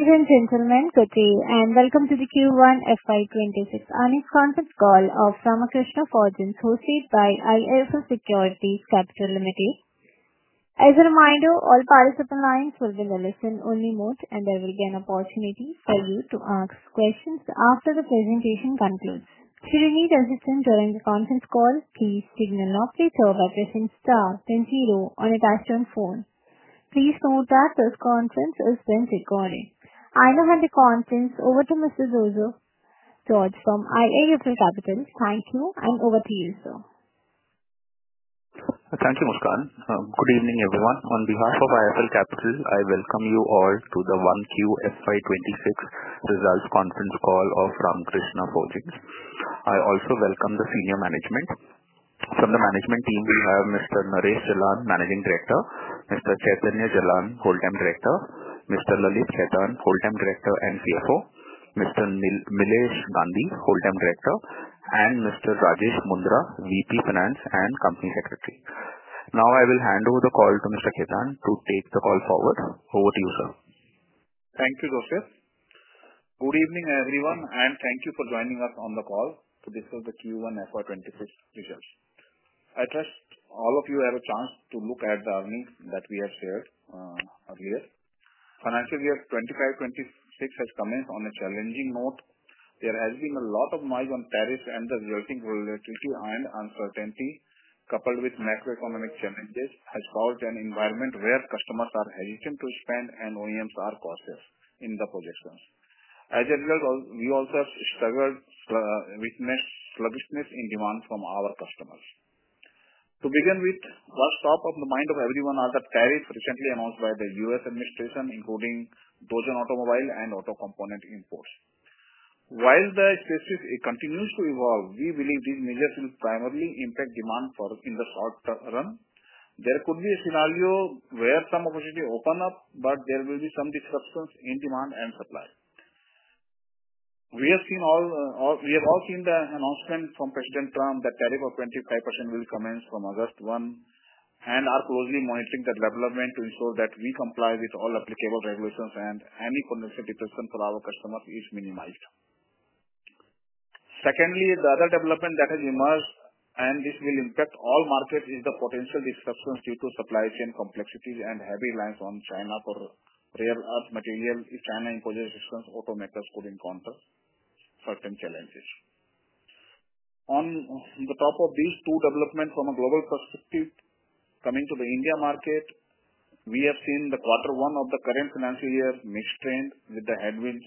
Ladies and gentlemen, good day. Welcome to the Q1 FY 2026 annual conference call of Ramkrishna Forgings Limited, hosted by IIFL Securities Capital Limited. As a reminder, all participant lines will be in the listen-only mode, and there will be an opportunity for you to ask questions after the presentation concludes. Should you need assistance during the conference call, please signal office or by pressing *10 on a touch-tone phone. Please note that this conference is being recorded. I now hand the conference over to Mr. Joseph George from IIFL Capital. Thank you, and over to you, sir. Thank you, Muskan. Good evening, everyone. On behalf of IIFL Capital, I welcome you all to the 1Q FY 2026 results conference Call of Ramkrishna Forgings Limited. I also welcome the senior management. From the management team, we have Mr. Naresh Jalan, Managing Director; Mr. Chaitanya Jalan, Whole-Time Director; Mr. Lalit Khetan, Whole-Time Director and CFO; Mr. Milesh Gandhi, Whole-Time Director; and Mr. Rajesh Mundhra, VP Finance and Company Secretary. Now, I will hand over the call to Mr. Khetan to take the call forward. Over to you, sir. Thank you, Joseph. Good evening, everyone, and thank you for joining us on the call to discuss the Q1 FY 2026 results. I trust all of you had a chance to look at the earnings that we have shared earlier. Financial year 2025-2026 has come in on a challenging note. There has been a lot of noise on tariffs and resulting volatility and uncertainty, coupled with macroeconomic challenges, has caused an environment where customers are hesitant to spend and OEM cars costs in the position. As a result, we also have struggled with the sluggishness in demand from our customers. To begin with, what's top of the mind of everyone are the tariffs recently announced by the U.S. administration, including [those on] automobile and auto components imports. While the crisis continues to evolve, we believe these measures will primarily impact demand in the short run. There could be a scenario where some opportunities open up, but there will be some disruptions in demand and supply. We have all seen the announcements from President Trump that tariffs of 25% will commence from August 1 and are closely monitoring the development to ensure that we comply with all applicable regulations and any contingency detection for our customers is minimized. Secondly, the other development that has emerged, and this will impact all markets, is the potential disruptions due to supply chain complexities and heavy reliance on China for rare earth materials. China and Polish automakers could encounter certain challenges. On the top of these two developments from a global perspective, coming to the India market, we have seen the quarter one of the current financial year mixed trend with the headwinds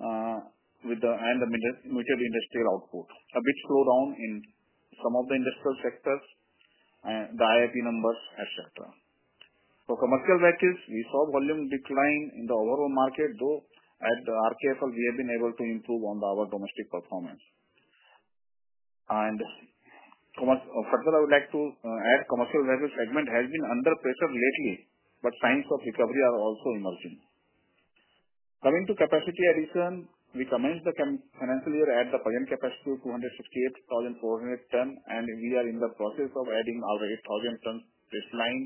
and the major industrial output, a bit slowdown in some of the industrial sectors and the IIP numbers, etc. For commercial batches, we saw volume decline in the overall market, though at the RKFL, we have been able to improve on our domestic performance. For much further, I would like to add, the commercial batches' segment has been under pressure lately, but times of recovery are also emerging. Coming to capacity addition, we commenced the financial year at the present capacity of 268,410 tons, and we are in the process of adding our 8,000-ton baseline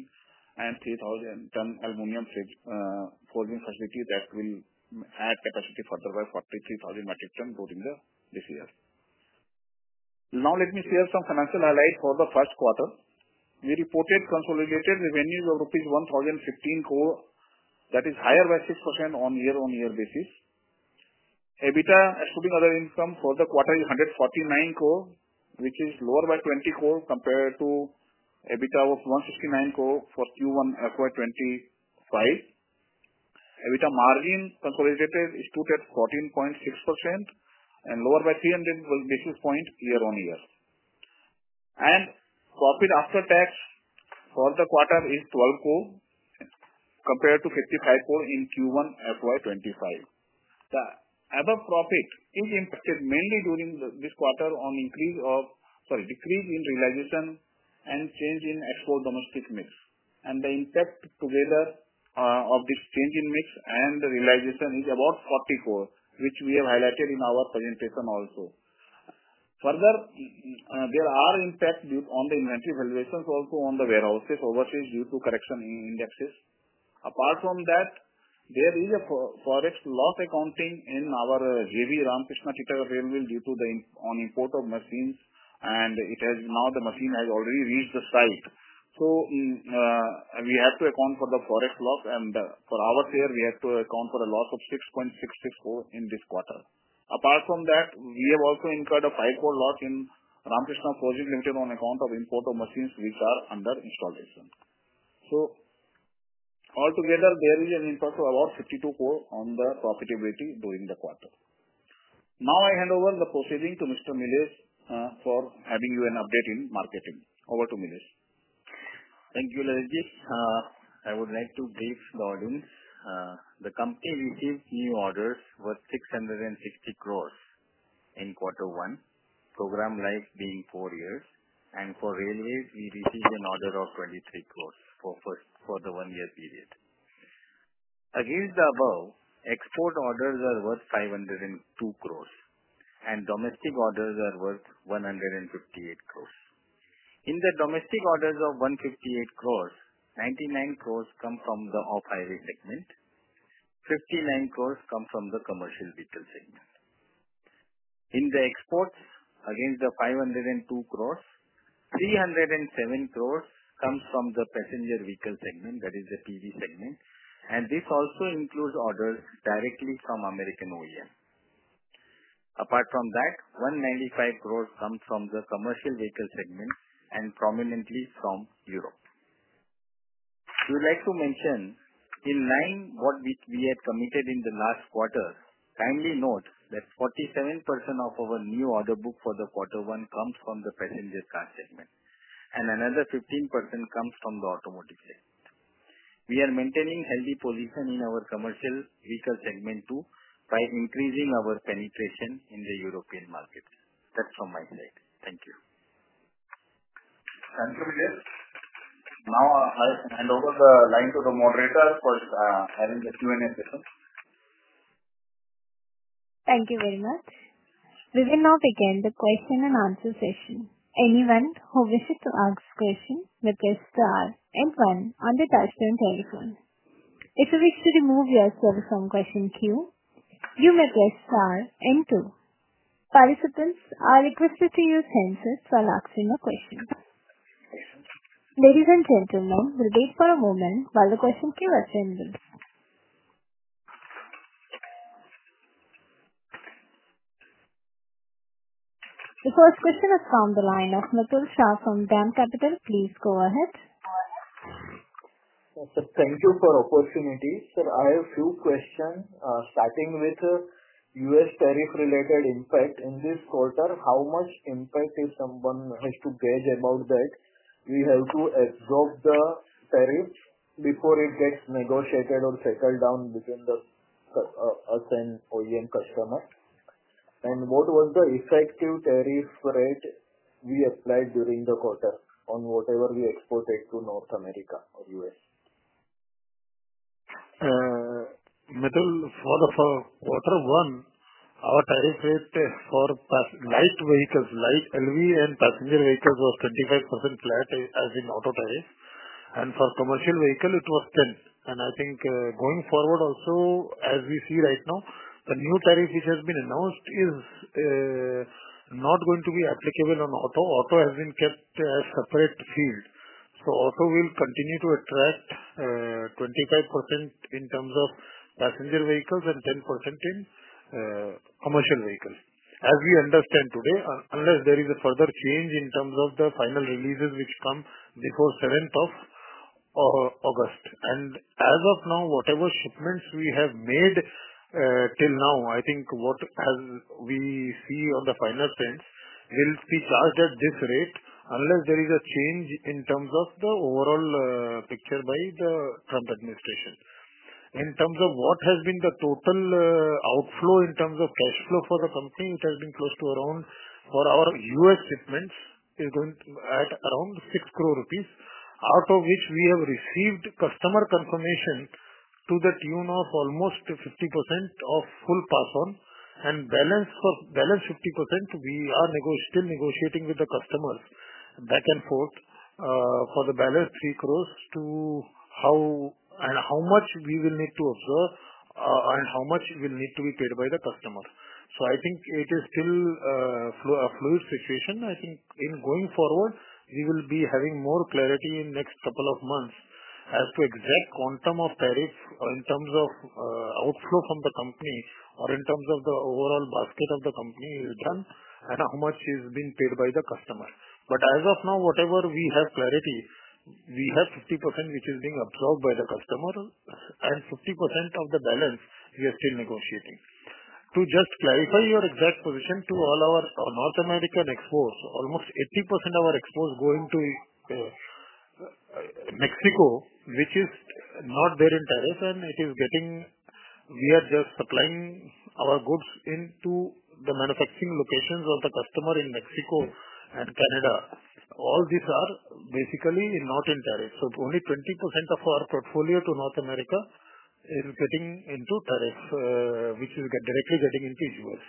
and 3,000-ton aluminium forging facilities that will add capacity further by 43,000 metric tons during this year. Now, let me share some financial highlights for the first quarter. We reported consolidated revenues of rupees 1,015 crore. That is higher by 6% on a year-on-year basis. EBITDA, excluding other income, for the quarter is 149 crore, which is lower by 20 crore compared to EBITDA of 169 crore for Q1 FY 2025. EBITDA margin consolidated is 14.6%, lower by 300 points year-on-year. Profit after tax for the quarter is 12 crore compared to 55 crore in Q1 FY 2025. The other profit is interested mainly during this quarter on increase of, sorry, decrease in realization and change in export domestic mix. The impact together of this change in mix and realization is about 40 crore, which we have highlighted in our presentation also. Further, there are impacts on the inventory valuations also on the warehouses overseas due to correction in indexes. Apart from that, there is a forex loss accounting in our JV Ramkrishna Titagarh Rail Wheels due to the import of machines, and now the machine has already reached the site. We have to account for the forex loss, and for our share, we have to account for a loss of 6.66 crore in this quarter. Apart from that, we have also incurred a 5 crore loss in Ramkrishna Forgings Limited on account of import of machines which are under installation. Altogether, there is an impact of about 52 crore on the profitability during the quarter. Now, I hand over the proceedings to Mr. Milesh for having you an update in marketing. Over to Milesh. Thank you, Lalit. I would like to brief the audience. The company received new orders worth 660 crore in quarter one, program life being four years. For railways, we received an order of 23 crore for the one-year period. Against the above, export orders are worth 502 crore, and domestic orders are worth 158 crore. In the domestic orders of 158 crore, 99 crore come from the off-highway segment, 59 crore come from the commercial vehicle segment. In the exports, against the 502 crore, 307 crore come from the passenger vehicle segment. That is the PV segment. This also includes orders directly from American OEMs. Apart from that, 195 crore come from the commercial vehicle segment and prominently from Europe. We would like to mention in line with what we had committed in the last quarter, kindly note that 47% of our new order book for quarter one comes from the passenger car segment, and another 15% comes from the automotive segment. We are maintaining a healthy position in our commercial vehicle segment too by increasing our penetration in the European market. That's from my side. Thank you. Thank you, Milesh. Now, I'll hand over the line to the moderator for the Q&A session. Thank you very much. We will now begin the question and answer session. Anyone who wishes to ask questions may press star and one on the touch-tone telephone. If you wish to remove your telephone question queue, you may press star and two. Participants are requested to use handsets while asking a question. We will wait for a moment while the question queue assembles. The first question is from the line of Mitul Shah from DAM Capital. Please go ahead. Thank you for the opportunity. Sir, I have a few questions, starting with the U.S. tariff-related impact. In this quarter, how much impact is someone has to gauge about that? We have to absorb the tariffs before it gets negotiated or settled down between us and OEM customers. What was the effective tariff rate we applied during the quarter on whatever we exported to North America or U.S.? Mitul, for quarter one, our tariff rate for light vehicles, light LV and passenger vehicles was 25% flat as in auto tariffs. For commercial vehicles, it was 10%. Going forward also, as we see right now, the new tariff which has been announced is not going to be applicable on auto. Auto has been kept as a separate field. Auto will continue to attract 25% in terms of passenger vehicles and 10% in commercial vehicles. As we understand today, unless there is a further change in terms of the final releases which come before August 7th. As of now, whatever statements we have made till now, what we see on the final prints will be passed at this rate unless there is a change in terms of the overall picture by the Trump administration. In terms of what has been the total outflow in terms of cash flow for the company, it has been close to around, for our U.S. shipments, it's going to add around 6 crore rupees, out of which we have received customer confirmation to the tune of almost 50% of full pass-on. For the balance 50%, we are still negotiating with the customers back and forth for the balance 3 crore to how and how much we will need to absorb and how much will need to be paid by the customers. It is still a fluid situation. Going forward, we will be having more clarity in the next couple of months as to exact quantum of tariffs in terms of outflow from the company or in terms of the overall basket of the company is done and how much is being paid by the customer. As of now, whatever we have clarity, we have 50% which is being absorbed by the customer and 50% of the balance we are still negotiating. To just clarify your exact position to all our North American exports, almost 80% of our exports go into Mexico, which is not there in tariffs, and we are just supplying our goods into the manufacturing locations of the customer in Mexico and Canada. All these are basically not in tariffs. Only 20% of our portfolio to North America is getting into tariffs, which is directly getting into U.S.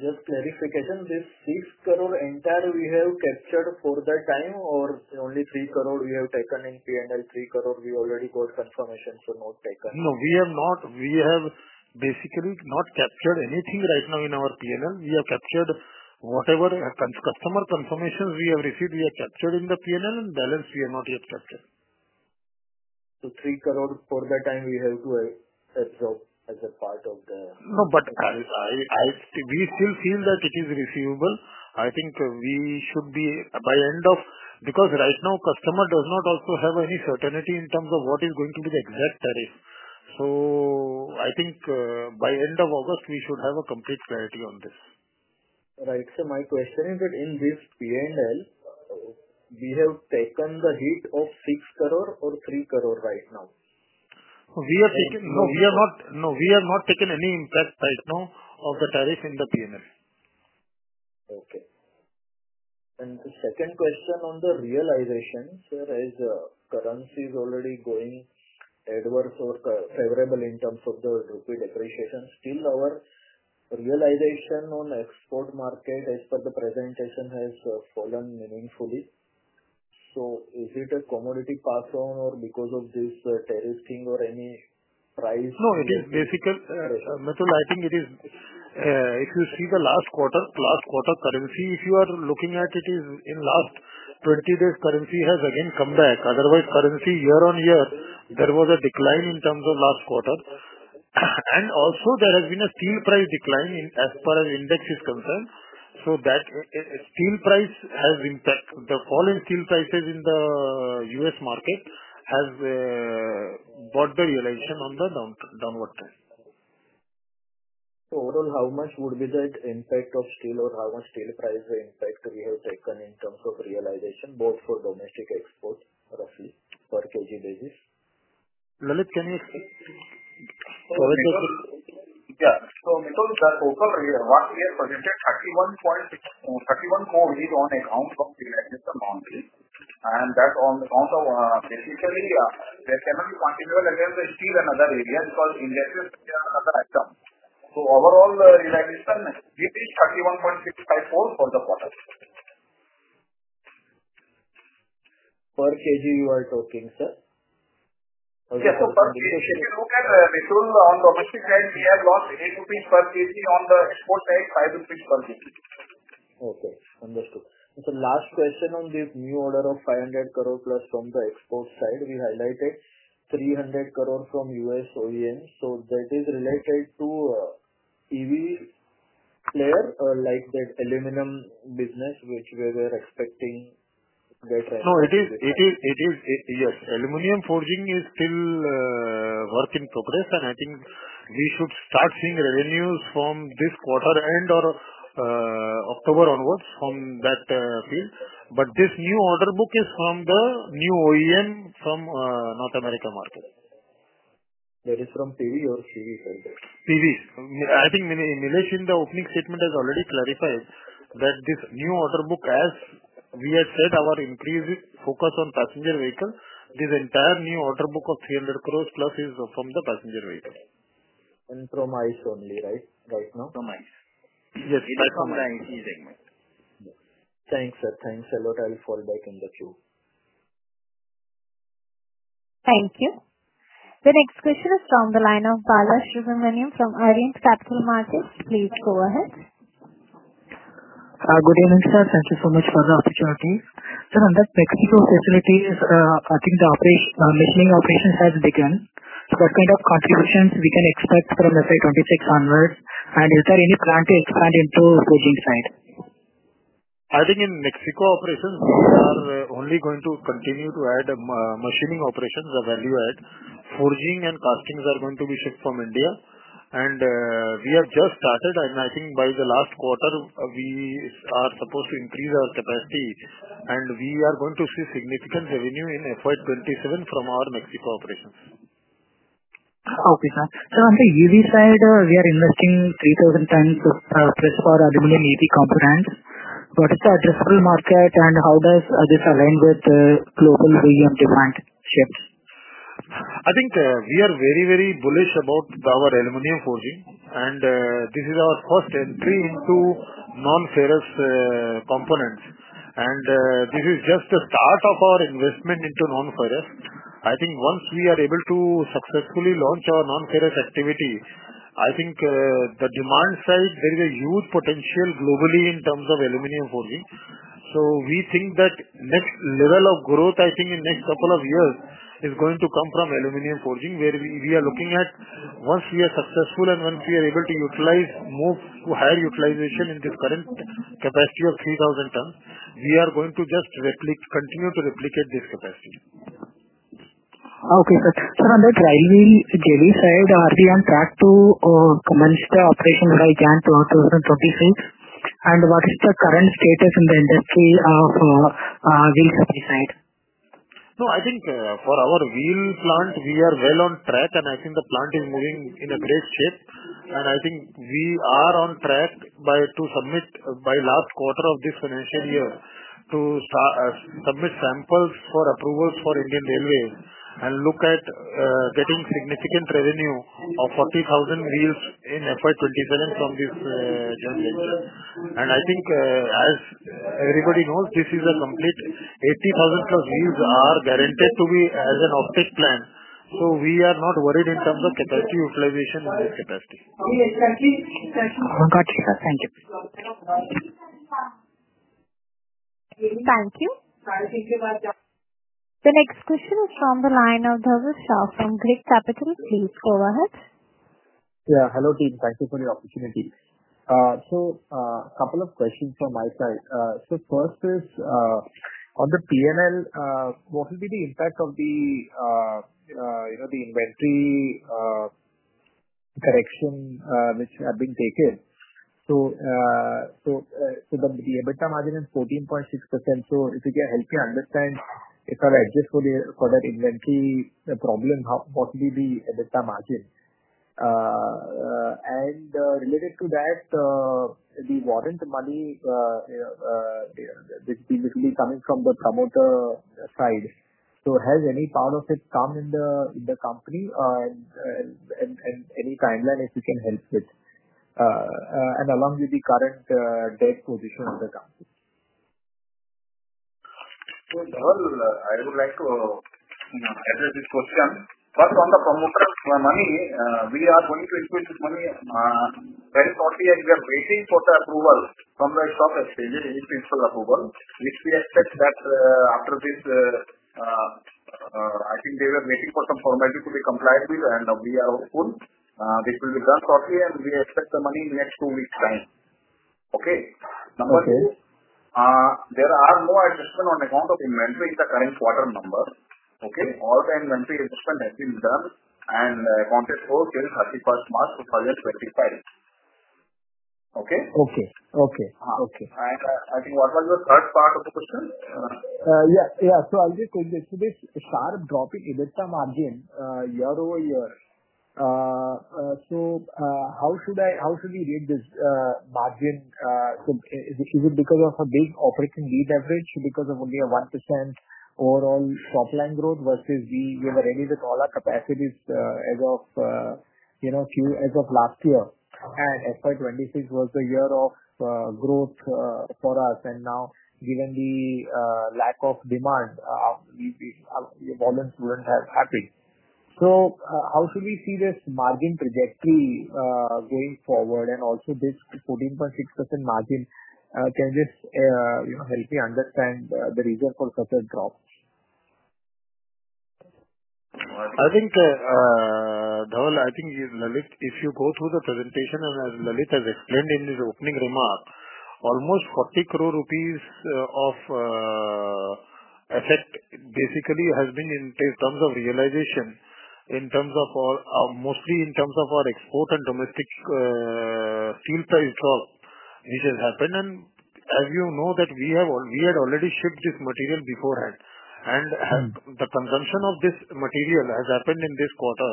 Just clarification, this 6 crore entire we have captured for that time, or only 3 crore we have taken in P&L? 3 crore, we already got confirmation, so not taken. No, we have not. We have basically not captured anything right now in our P&L. We have captured whatever customer confirmations we have received, we have captured in the P&L, and balance we have not yet captured. 3 crore for that time, we have to absorb as a part of the tariff. No, we still feel that it is receivable. I think we should be by the end of, because right now, customer does not also have any certainty in terms of what is going to be the exact tariff. I think by the end of August, we should have complete clarity on this. Right. My question is that in this P&L, we have taken the hit of 6 crore or 3 crore right now? No, we have not. No, we have not taken any impact right now of the tariff in the P&L. Okay. The second question on the realization, sir, as currency is already going adverse or favorable in terms of the rupee depreciation, still our realization on the export market as per the presentation has fallen meaningfully. Is it a commodity pass-on or because of this tariff thing or any price? No, it is basically, Mitul, I think if you see the last quarter, last quarter currency, if you are looking at it, in the last 20 days, currency has again come back. Otherwise, currency year-on-year, there was a decline in terms of last quarter. There has been a steel price decline as far as index is concerned. That steel price has impacted the fall in steel prices in the U.S. market and has brought the realization on the downward trend. Overall, how much would be the impact of steel or how much steel price impact have we taken in terms of realization both for domestic export roughly per kg basis? Yeah. Nitul, the total rear one-year projected is INR 31.6 crore. INR 31 crore is on account of the amount here. That's on the specifically, the semicontinental area is still another area because industrial areas are coming. Overall, the realization is INR 31.6 crore. Per kg, you are talking, sir? Yes. If you look at, Mitul, on the domestic side, we have lost INR 8 per kg. On the export side, INR 5 per kg. Okay. Understood. Last question on this new order of 500 crore plus from the export side, we highlighted 300 crore from U.S. OEM. That is related to an EV player like that aluminium business, which we were expecting better. It is. Aluminum forging is still a work in progress. I think we should start seeing revenues from this quarter end or October onwards from that field. This new order book is from the new OEM from North America market. That is from passenger vehicle or commercial vehicle? PVs. I think Milesh in the opening statement has already clarified that this new order book, as we had said, our increased focus on passenger vehicle, this entire new order book of 300 crore plus is from the passenger vehicle. From ICE only, right now? From ICE. Yes, it is from ICE only. Thanks, sir. Thanks a lot. I'll fall back on the queue. Thank you. The next question is from the line of Balasubramanian from Arihant Capital Markets. Please go ahead. Good evening, sir. Thank you so much for the opportunity. Sir, on the Mexico facilities, I think the opening operations have begun. What kind of contributions we can expect from FY 2026 onwards? Is there any plan to expand into the forging side? I think in Mexico operations, we are only going to continue to add machining operations, a value add. Forging and castings are going to be shipped from India. We have just started, and I think by the last quarter, we are supposed to increase our capacity. We are going to see significant revenue in FY 2027 from our Mexico operations. Okay, sir. Sir, on the EV side, we are investing 3,000 tons of capacity for aluminium EV components. It's an addressable market. How does this align with the local OEM demand shifts? I think we are very, very bullish about our aluminium forging. This is our first entry into nonferrous components, and this is just the start of our investment into nonferrous. I think once we are able to successfully launch our nonferrous activity, the demand side, there is a huge potential globally in terms of aluminium forging. We think that the next level of growth in the next couple of years is going to come from aluminium forging, where we are looking at once we are successful and once we are able to utilize, move to higher utilization in this current capacity of 3,000 tons, we are going to just continue to replicate this capacity. Okay, good. Sir, on the driving delivery side, are we on track to commence the operation by January 2026? What is the current status in the industry of wheel chassis side? I think for our wheel plant, we are well on track. I think the plant is moving in a great shape. I think we are on track to submit by last quarter of this financial year to submit samples for approval for Indian Railways and look at getting significant revenue of 40,000 wheels in FY 2027 from this joint venture. As everybody knows, this is a complete 80,000-plus wheels are guaranteed to be as an offtake plan. We are not worried in terms of capacity utilization in this capacity. Yes, thank you. Thank you. Thank you very much. The next question is from the line of Dhaval Shah from Girik Capital. Please go ahead. Yeah. Hello, team. Thank you for the opportunity. A couple of questions from my side. First is, on the P&L, what will be the impact of the inventory correction which have been taken? The EBITDA margin is 14.6%. If you get healthier understands, if I'm adjustable for that inventory problem, what will be the EBITDA margin? Related to that, the warrant money that's basically coming from the promoter side. Has any part of it come in the company? Any timeline if you can help with, along with the current debt position of the company? I would like to address this question. First, on the promoter's money, we are going to increase this money very shortly as we are waiting for the approval from the stock exchange, the initial approval. We expect that after this, they were waiting for some formality to be complied with, and we are open. This will be done shortly, and we expect the money in the next two weeks' time. Okay. Number two, there are no adjustments on account of inventory in the current quarter number. Okay? All the inventory adjustment has been done and accounted for till March 31st, 2025. Okay? Okay. Okay. Okay. What was your third part of the question? Yeah. I'll give code this: it started dropping EBITDA margin year-over-year. How should I, how should we rate this margin? Is it because of a big operating lead average, because of only a 1% overall cropland growth versus we were ready with all our capacities as of, you know, as of last year? FY 2026 was the year of growth for us. Given the lack of demand, the volume wouldn't have happened. How should we see this margin trajectory going forward? Also, this 14.6% margin, can this help me understand the reason for such a drop? I think. I think, Milesh, if you go through the presentation and as Milesh has explained in his opening remarks, almost INR 40 crore of effect basically has been in terms of realization, in terms of mostly in terms of our export and domestic steel price drop, which has happened. As you know, we had already shipped this material beforehand. The consumption of this material has happened in this quarter.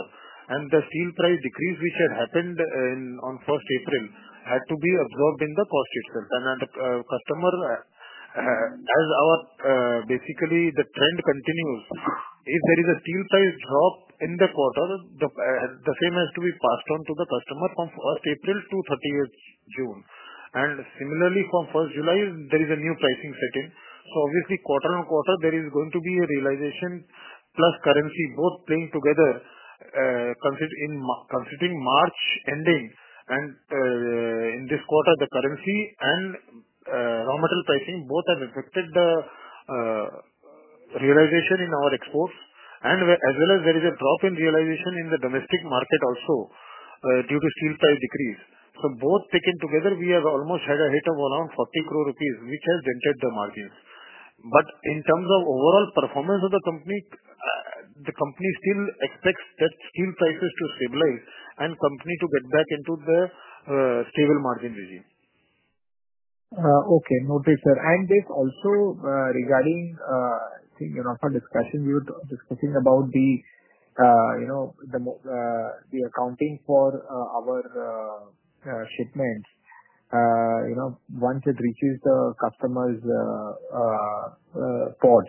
The steel price decrease, which had happened on April 1, had to be absorbed in the cost itself. As our basically, the trend continues, if there is a steel price drop in the quarter, the same has to be passed on to the customer from April-June 30th. Similarly, from July 1s, there is a new pricing setting. Obviously, quarter-on-quarter, there is going to be a realization plus currency both playing together considering March ending. In this quarter, the currency and raw material pricing both have affected the realization in our exports, and as well as there is a drop in realization in the domestic market also due to steel price decrease. Both taken together, we have almost had a hit of around 40 crore rupees, which has dented the margins. In terms of overall performance of the company, the company still expects that steel prices to stabilize and the company to get back into the stable margin regime. Okay. Noted, sir. This also regarding, I think in our discussion, we were discussing about the accounting for our shipments once it reaches the customer's port.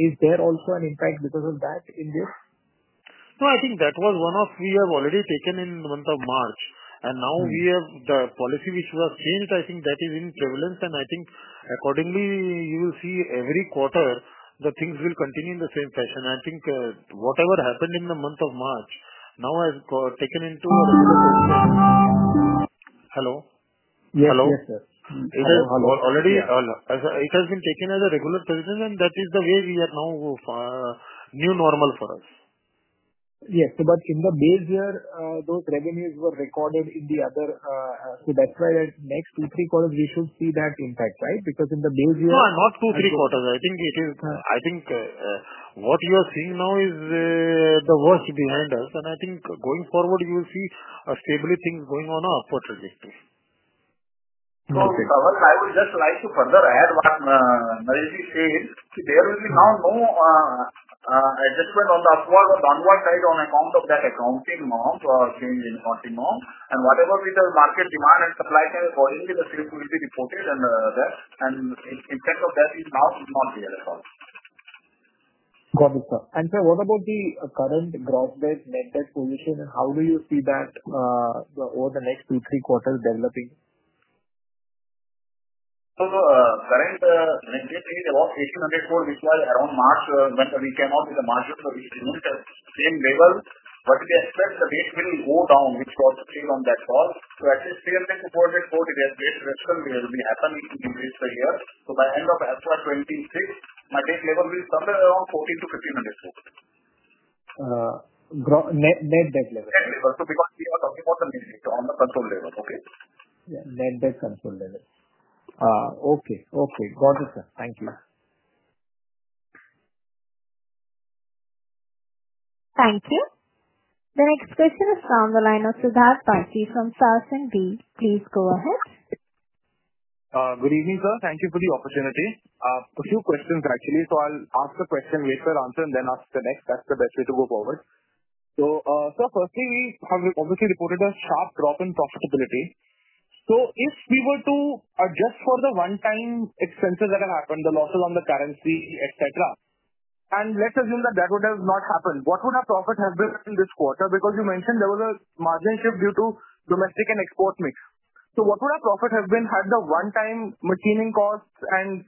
Is there also an impact because of that in this? No, I think that was one we have already taken in the month of March. Now we have the policy which was changed. I think that is in prevalence. I think accordingly, you will see every quarter that things will continue in the same fashion. I think whatever happened in the month of March now has taken into. A regular position. Hello? Yeah. Hello. Yes, sir. It has already been taken as a regular position, and that is the way we are now. New normal for us. Yes. In the base year, those revenues were recorded in the other. That's why the next two, three quarters, we should see that impact, right? Because in the base year. No, not two, three quarters. I think what you are seeing now is the worst behind us. I think going forward, you will see a stable thing going on our port logistics. Okay. I would just like to further add to what Naresh is saying. There will be now no adjustment on the upward or downward side on account of that accounting amount or change in accounting amount. Whatever little market demand and supply can, according to the three-quarterly reported, and there. In terms of that, it's now not real at all. Got it, sir. Sir, what about the current growth-based net debt position? How do you see that over the next two, three quarters developing? Currently, when we see the growth, it's around March, when we cannot market produce to the same level. We expect that it will go down, which got still on that fall. At least INR 300 crore-INR 400 crore to get this return, which will be happening in increase per year. By the end of FY 2026, my debt level will be somewhere around 40 crore- 50 crore. Net debt level? Because of the control level. Okay? Yeah, net debt control level. Okay. Okay. Got it, sir. Thank you. Thank you. The next question is from the line of Siddharth Bassi from [Sass & B]. Please go ahead. Good evening, sir. Thank you for the opportunity. A few questions, actually. I'll ask a question, [wait for] answer, and then ask the next. That's the best way to go forward. Firstly, we have obviously reported a sharp drop in profitability. If we were to adjust for the one-time expenses that have happened, the losses on the currency, etc., and let's assume that that would have not happened, what would our profit have been in this quarter? You mentioned there was a margin shift due to domestic and export mix. What would our profit have been had the one-time machining costs and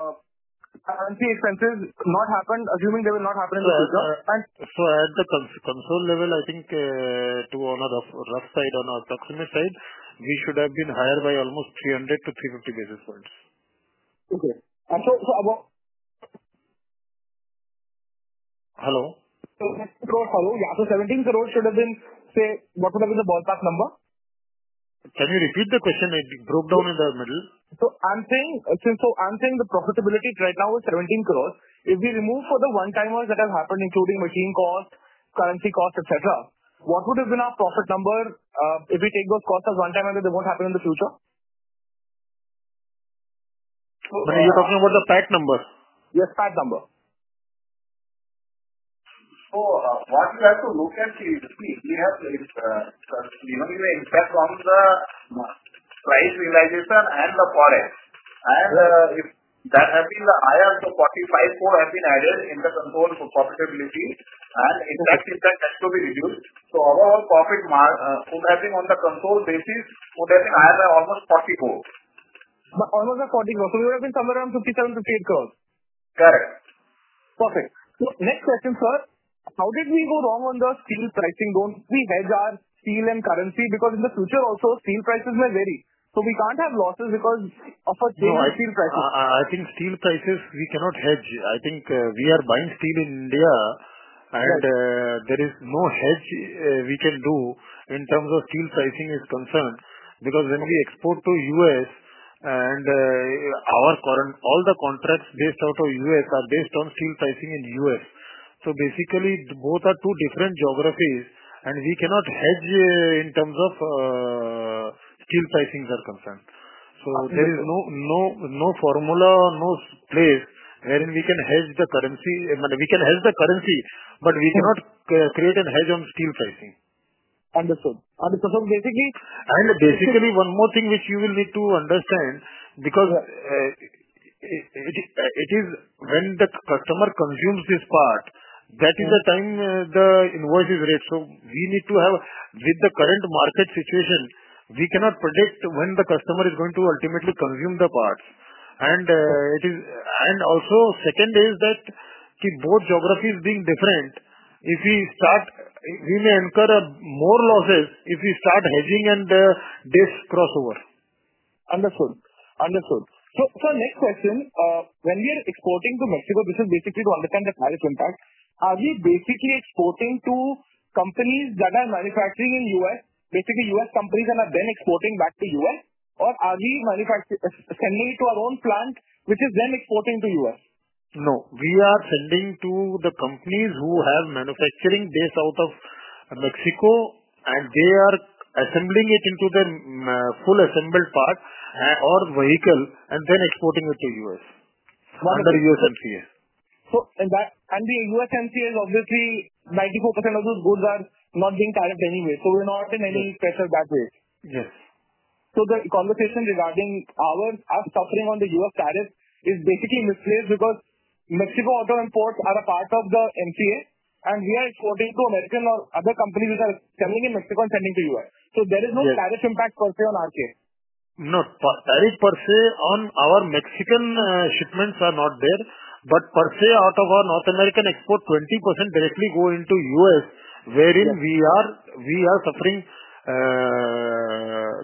currency expenses not happened, assuming they will not happen in the future? At the control level, I think on the rough side, on our approximate side, we should have been higher by almost 300-350 basis points. Okay, about. Hello? How do we ask for INR 17 crore? Should have been, say, what would have been the ballpark number? Can you repeat the question? I broke down in the middle. I'm saying the profitability right now is 17 crore. If we remove for the one-time that has happened, including machine cost, currency cost, etc., what would have been our profit number if we take those costs as one-time and they won't happen in the future? You're talking about the PAT number? Yes, PAT number. Once we have to look at this, we have given you impact on the price realization and the forex. If that has been the higher of the 45 crore have been added in the control for profitability, and if that impact has to be reduced, overall profit would have been on the control basis, would have been higher by almost 40 crore. Almost by 40 crore. We would have been somewhere around 57 crore-58 crore. Correct. Perfect. Next question, sir. How did we go wrong on the steel pricing? Don't we hedge our steel and currency? In the future, also steel prices may vary. We can't have losses because of a change in steel prices. I think steel prices, we cannot hedge. I think we are buying steel in India, and there is no help we can do in terms of steel pricing is concerned because when we export to the U.S. and our current all the contracts based out of the U.S. are based on steel pricing in the U.S. basically, both are two different geographies, and we cannot hedge in terms of steel pricing are concerned. There is no formula or no place wherein we can hedge the currency. I mean, we can hedge the currency, but we cannot create a hedge on steel pricing. Understood. Understood. Basically, one more thing which you will need to understand because it is when the customer consumes this part, that is the time the invoice is ready. We need to have, with the current market situation, we cannot predict when the customer is going to ultimately consume the parts. Also, second is that both geographies being different, if we start, we may incur more losses if we start hedging and this crossover. Understood. For the next question, when we are exporting to Mexico, which is basically to understand the tariff impact, are we basically exporting to companies that are manufacturing in the U.S., basically U.S. companies, and are then exporting back to the U.S.? Or are we sending it to our own plants, which is then exporting to the U.S.? No, we are sending to the companies who have manufacturing based out of Mexico, and they are assembling it into the fully assembled part or vehicle, and then exporting it to the U.S. What? Under USMCA. The USMCA is obviously 94% of those goods are not being targeted anyway. We are not in any special bad place. Yes. The conversation regarding our stuffing on the U.S. tariffs is basically misplaced because Mexico auto imports are a part of the USMCA, and we are exporting to American or other companies which are selling in Mexico and sending to the U.S. There is no tariff impact per se on our case. No, tariff per se on our Mexican shipments are not there. Out of our North American export, 20% directly go into the U.S., wherein we are suffering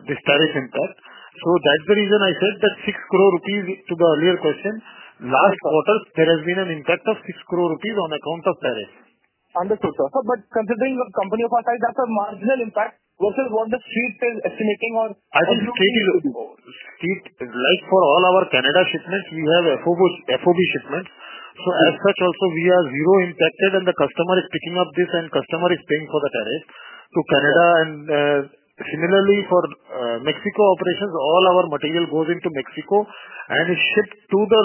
this tariff impact. That's the reason I said that 6 crore rupees to the earlier question, last quarter, there has been an impact of 6 crore rupees on account of tariff. Understood, sir. Considering the company of our size, that's a marginal impact versus one that she's still estimating. I can say is like for all our Canada shipments, we have FOB shipments. As such, also, we are zero impacted, and the customer is picking up this, and customer is paying for the tariff to Canada. Similarly, for Mexico operations, all our material goes into Mexico, and it ships to the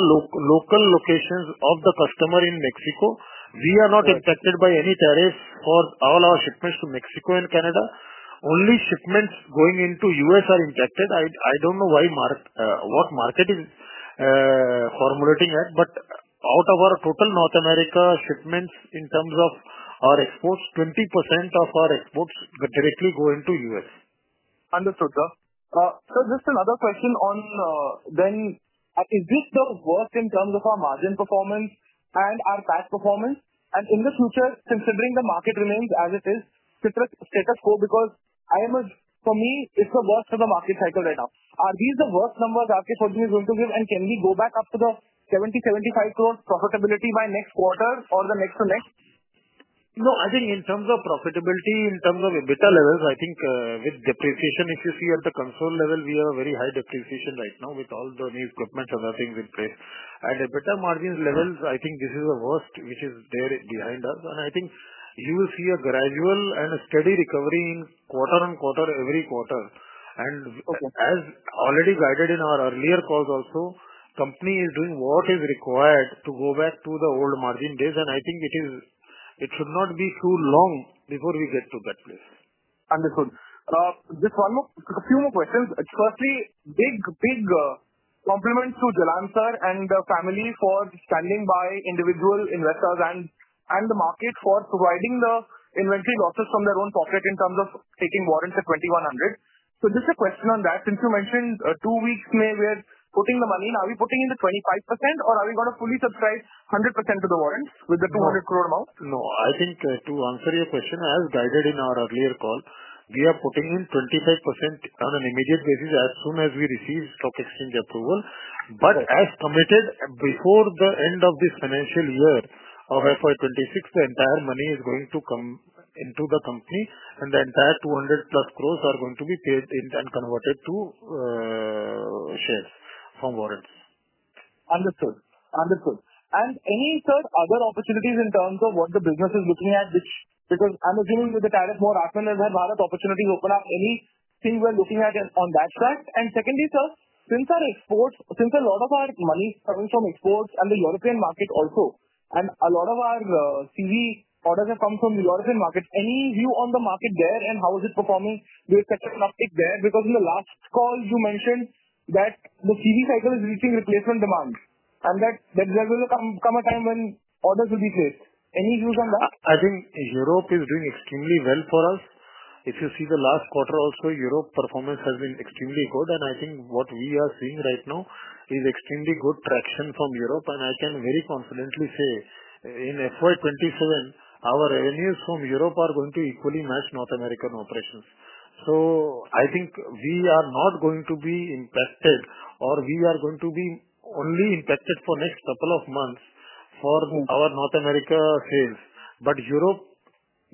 local locations of the customer in Mexico. We are not impacted by any tariffs for all our shipments to Mexico and Canada. Only shipments going into U.S. are impacted. I don't know why what market is formulating that. Out of our total North America shipments in terms of our exports, 20% of our exports directly go into U.S. Understood, sir. Just another question, is this still worse in terms of our margin performance and our PAT performance? In the future, considering the market remains as it is, status quo, because for me, it's the worst in the market cycle right now. Are these the worst numbers that the company is going to give? Can we go back up to the 70 crore-75 crore profitability by next quarter or the next semester? No, I think in terms of profitability, in terms of EBITDA levels, I think with depreciation, if you see at the control level, we have very high depreciation right now with all the new equipment and other things in place. EBITDA margin levels, I think this is the worst, which is there behind us. I think you will see a gradual and a steady recovery quarter on quarter, every quarter. As already guided in our earlier calls also, the company is doing what is required to go back to the old margin days. I think it should not be too long before we get to that place. Understood. Just a few more questions. Firstly, big, big compliments to Jalan sir and the family for standing by individual investors and the market for providing the inventory losses from their own pocket in terms of taking warrants at 2,100. Just a question on that. Since you mentioned two weeks' delay, we're putting the money in. Are we putting in the 25%, or are we going to fully subsidize 100% of the warrants with the 200 crore amount? No, I think to answer your question, as guided in our earlier call, we are putting in 25% on an immediate basis as soon as we receive stock exchange approval. As committed, before the end of this financial year of FY 2026, the entire money is going to come into the company, and the entire 200-plus crores are going to be paid and converted to shares from warrants. Understood. Any such other opportunities in terms of what the business is looking at, which, because I'm assuming with the tariffs more happening as well, other opportunities open up. Anything we're looking at on that front? Secondly, sir, since our exports, since a lot of our money is coming from exports and the European markets also, and a lot of our CV orders have come from the European markets, any view on the market there and how is it performing? There is such a lockpick there because in the last call, you mentioned that the CV cycle is reaching a place on demand and that there will come a time when orders will be placed. Any views on that? I think Europe is doing extremely well for us. If you see the last quarter also, Europe's performance has been extremely good. I think what we are seeing right now is extremely good traction from Europe. I can very confidently say in FY 2027, our revenues from Europe are going to equally match North American operations. I think we are not going to be impacted, or we are going to be only impacted for the next couple of months for our North America sales. Europe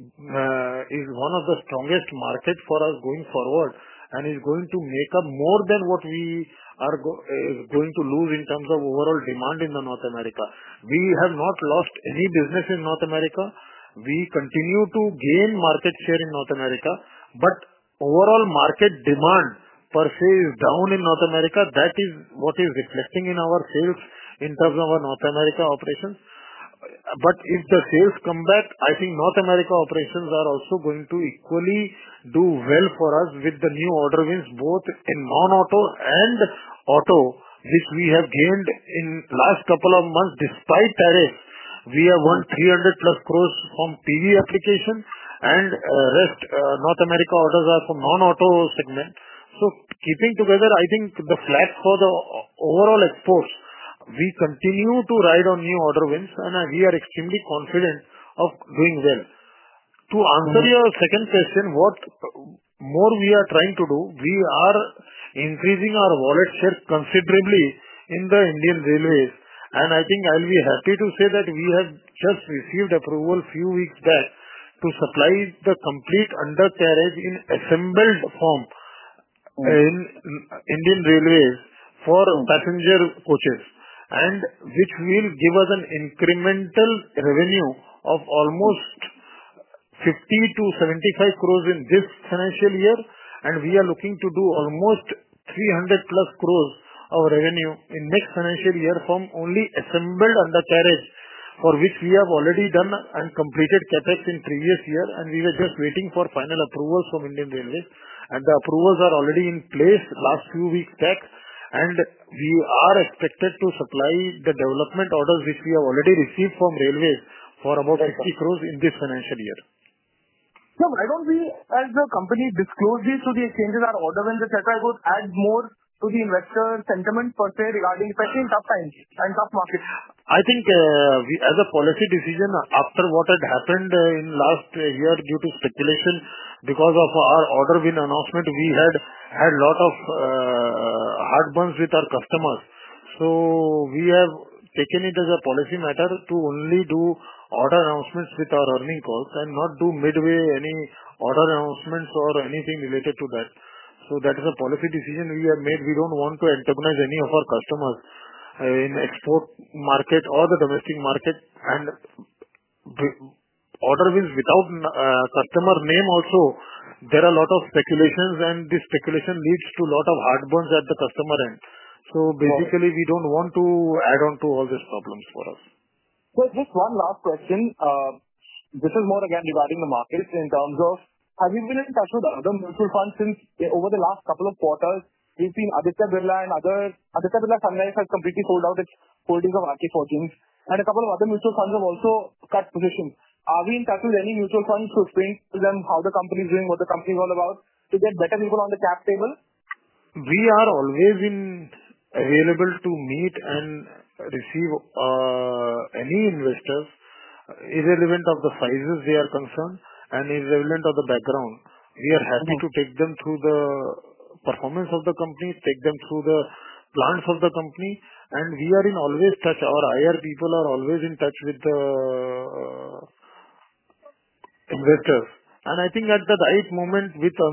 is one of the strongest markets for us going forward and is going to make up more than what we are going to lose in terms of overall demand in North America. We have not lost any business in North America. We continue to gain market share in North America. Overall market demand per se is down in North America. That is what is reflecting in our sales in terms of our North America operations. If the sales come back, I think North America operations are also going to equally do well for us with the new order wins, both in non-auto and auto, which we have gained in the last couple of months despite tariffs. We have won 300+ crore from PV application, and the rest of North America orders are from non-auto segment. Keeping together, I think the flags for the overall exports, we continue to ride on new order wins, and we are extremely confident of doing well. To answer your second question, what more we are trying to do, we are increasing our wallet share considerably in the Indian Railways. I think I'll be happy to say that we have just received approval a few weeks back to supply the complete undercarriage in assembled form in Indian Railways for passenger coaches, which will give us an incremental revenue of almost 50 crore-75 crore in this financial year. We are looking to do almost 300+ crore of revenue in the next financial year from only assembled undercarriage, for which we have already done and completed CapEx in the previous year. We were just waiting for final approvals from Indian Railways. The approvals are already in place last few weeks back. We are expected to supply the development orders which we have already received from Railways for about 50 crore in this financial year. Sir, why don't we, as a company, disclose this to the exchanges or order when the CapEx goes, add more to the investor sentiment for their regarding, especially in tough times and tough markets? I think as a policy decision, after what had happened in the last year due to speculation because of our order win announcement, we had a lot of heartburns with our customers. We have taken it as a policy matter to only do order announcements with our earnings calls and not do midway any order announcements or anything related to that. That is a policy decision we have made. We don't want to antagonize any of our customers in the export market or the domestic market. Order wins without customer name also, there are a lot of speculations, and this speculation leads to a lot of heartburns at the customer end. Basically, we don't want to add on to all these problems for us. Just one last question. This is more again regarding the markets in terms of, have you been in touch with other mutual funds since over the last couple of quarters? We've seen Aditya Birla and others. Aditya Birla Sun Life has completely pulled out its holdings of Ramkrishna Forgings Limited. A couple of other mutual funds have also cut positions. Are we in touch with any mutual funds to explain to them how the company is doing, what the company is all about, to get better people on the cap table? We are always available to meet and receive any investors, irrelevant of the sizes they are concerned and irrelevant of the background. We are happy to take them through the performance of the company, take them through the plans of the company. We are always in touch. Our higher people are always in touch with the investors. I think at the right moment, as the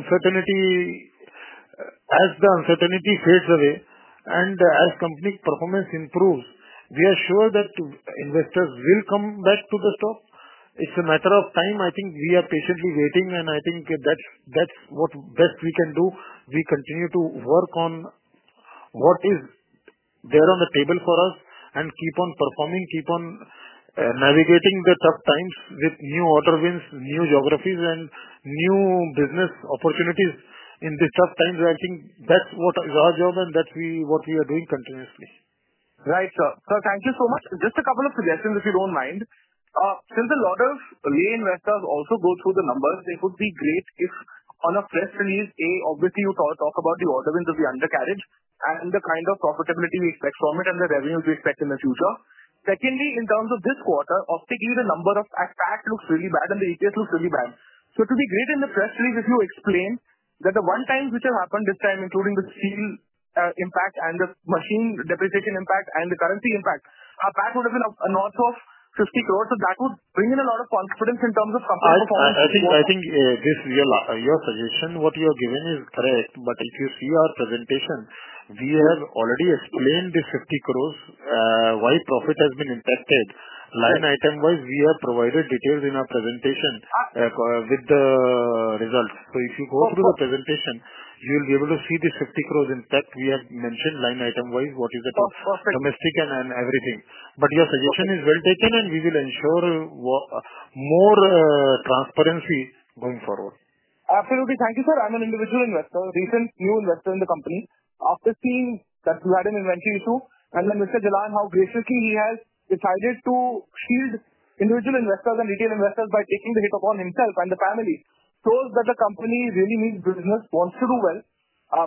uncertainty fades away and as the company's performance improves, we are sure that investors will come back to the stock. It's a matter of time. I think we are patiently waiting, and I think that's what best we can do. We continue to work on what is there on the table for us and keep on performing, keep on navigating the tough times with new order wins, new geographies, and new business opportunities in these tough times. I think that's what is our job and that's what we are doing continuously. Right, sir. Thank you so much. Just a couple of suggestions, if you don't mind. Since a lot of reinvestors also go through the numbers, it would be great if in the first phase, A, obviously you talk about the order wins of the undercarriage and the kind of profitability we expect from it and the revenues we expect in the future. Secondly, in terms of this quarter, optically, the number of PAT looks really bad, and the EBITDA looks really bad. It would be great in the first phase if you explain that the one-time which has happened this time, including the steel impact and the machine depreciation impact and the currency impact, our PAT would have been north of 50 crore. That would bring in a lot of confidence in terms of company performance. I think your suggestion, what you are giving is correct. If you see our presentation, we have already explained the 50 crore, why profit has been impacted. Line item-wise, we have provided details in our presentation with the results. If you go through the presentation, you will be able to see the 50 crore impact we have mentioned line item-wise, what is it for domestic and everything. Your suggestion is well taken, and we will ensure more transparency going forward. Absolutely. Thank you, sir. I'm an individual investor, decent new investor in the company. After seeing that we had an inventory issue, and when Mr. Jalan, how graciously he has decided to shield individual investors and retail investors by taking the hit of himself and the family, shows that the company really means business and wants to do well.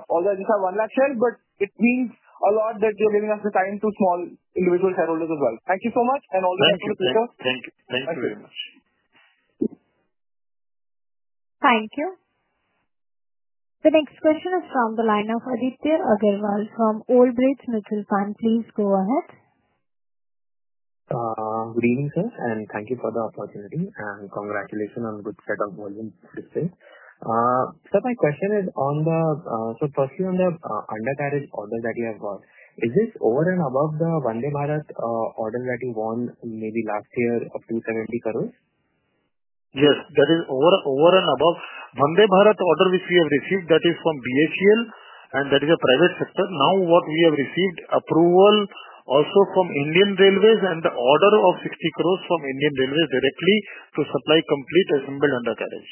Although you have one lakh share, it means a lot that you're leaving us behind two small individual shareholders as well. Thank you so much. All the best. Thank you. Thank you very much. Thank you. The next question is from the line of Aditya Agrawal from Old Bridge Capital Management. Please go ahead. Good evening, sir. Thank you for the opportunity, and congratulations on the good set of volumes received. Sir, my question is on the, firstly, on the undercarriage order that you have got, is this over and above the Vande Bharat order that you won maybe last year up to 270 crore? Yes, that is over and above. Vande Bharat order which we have received, that is from BHEL, and that is a private sector. Now, what we have received approval also from Indian Railways and the order of 60 crore from Indian Railways directly to supply complete assembled undercarriage.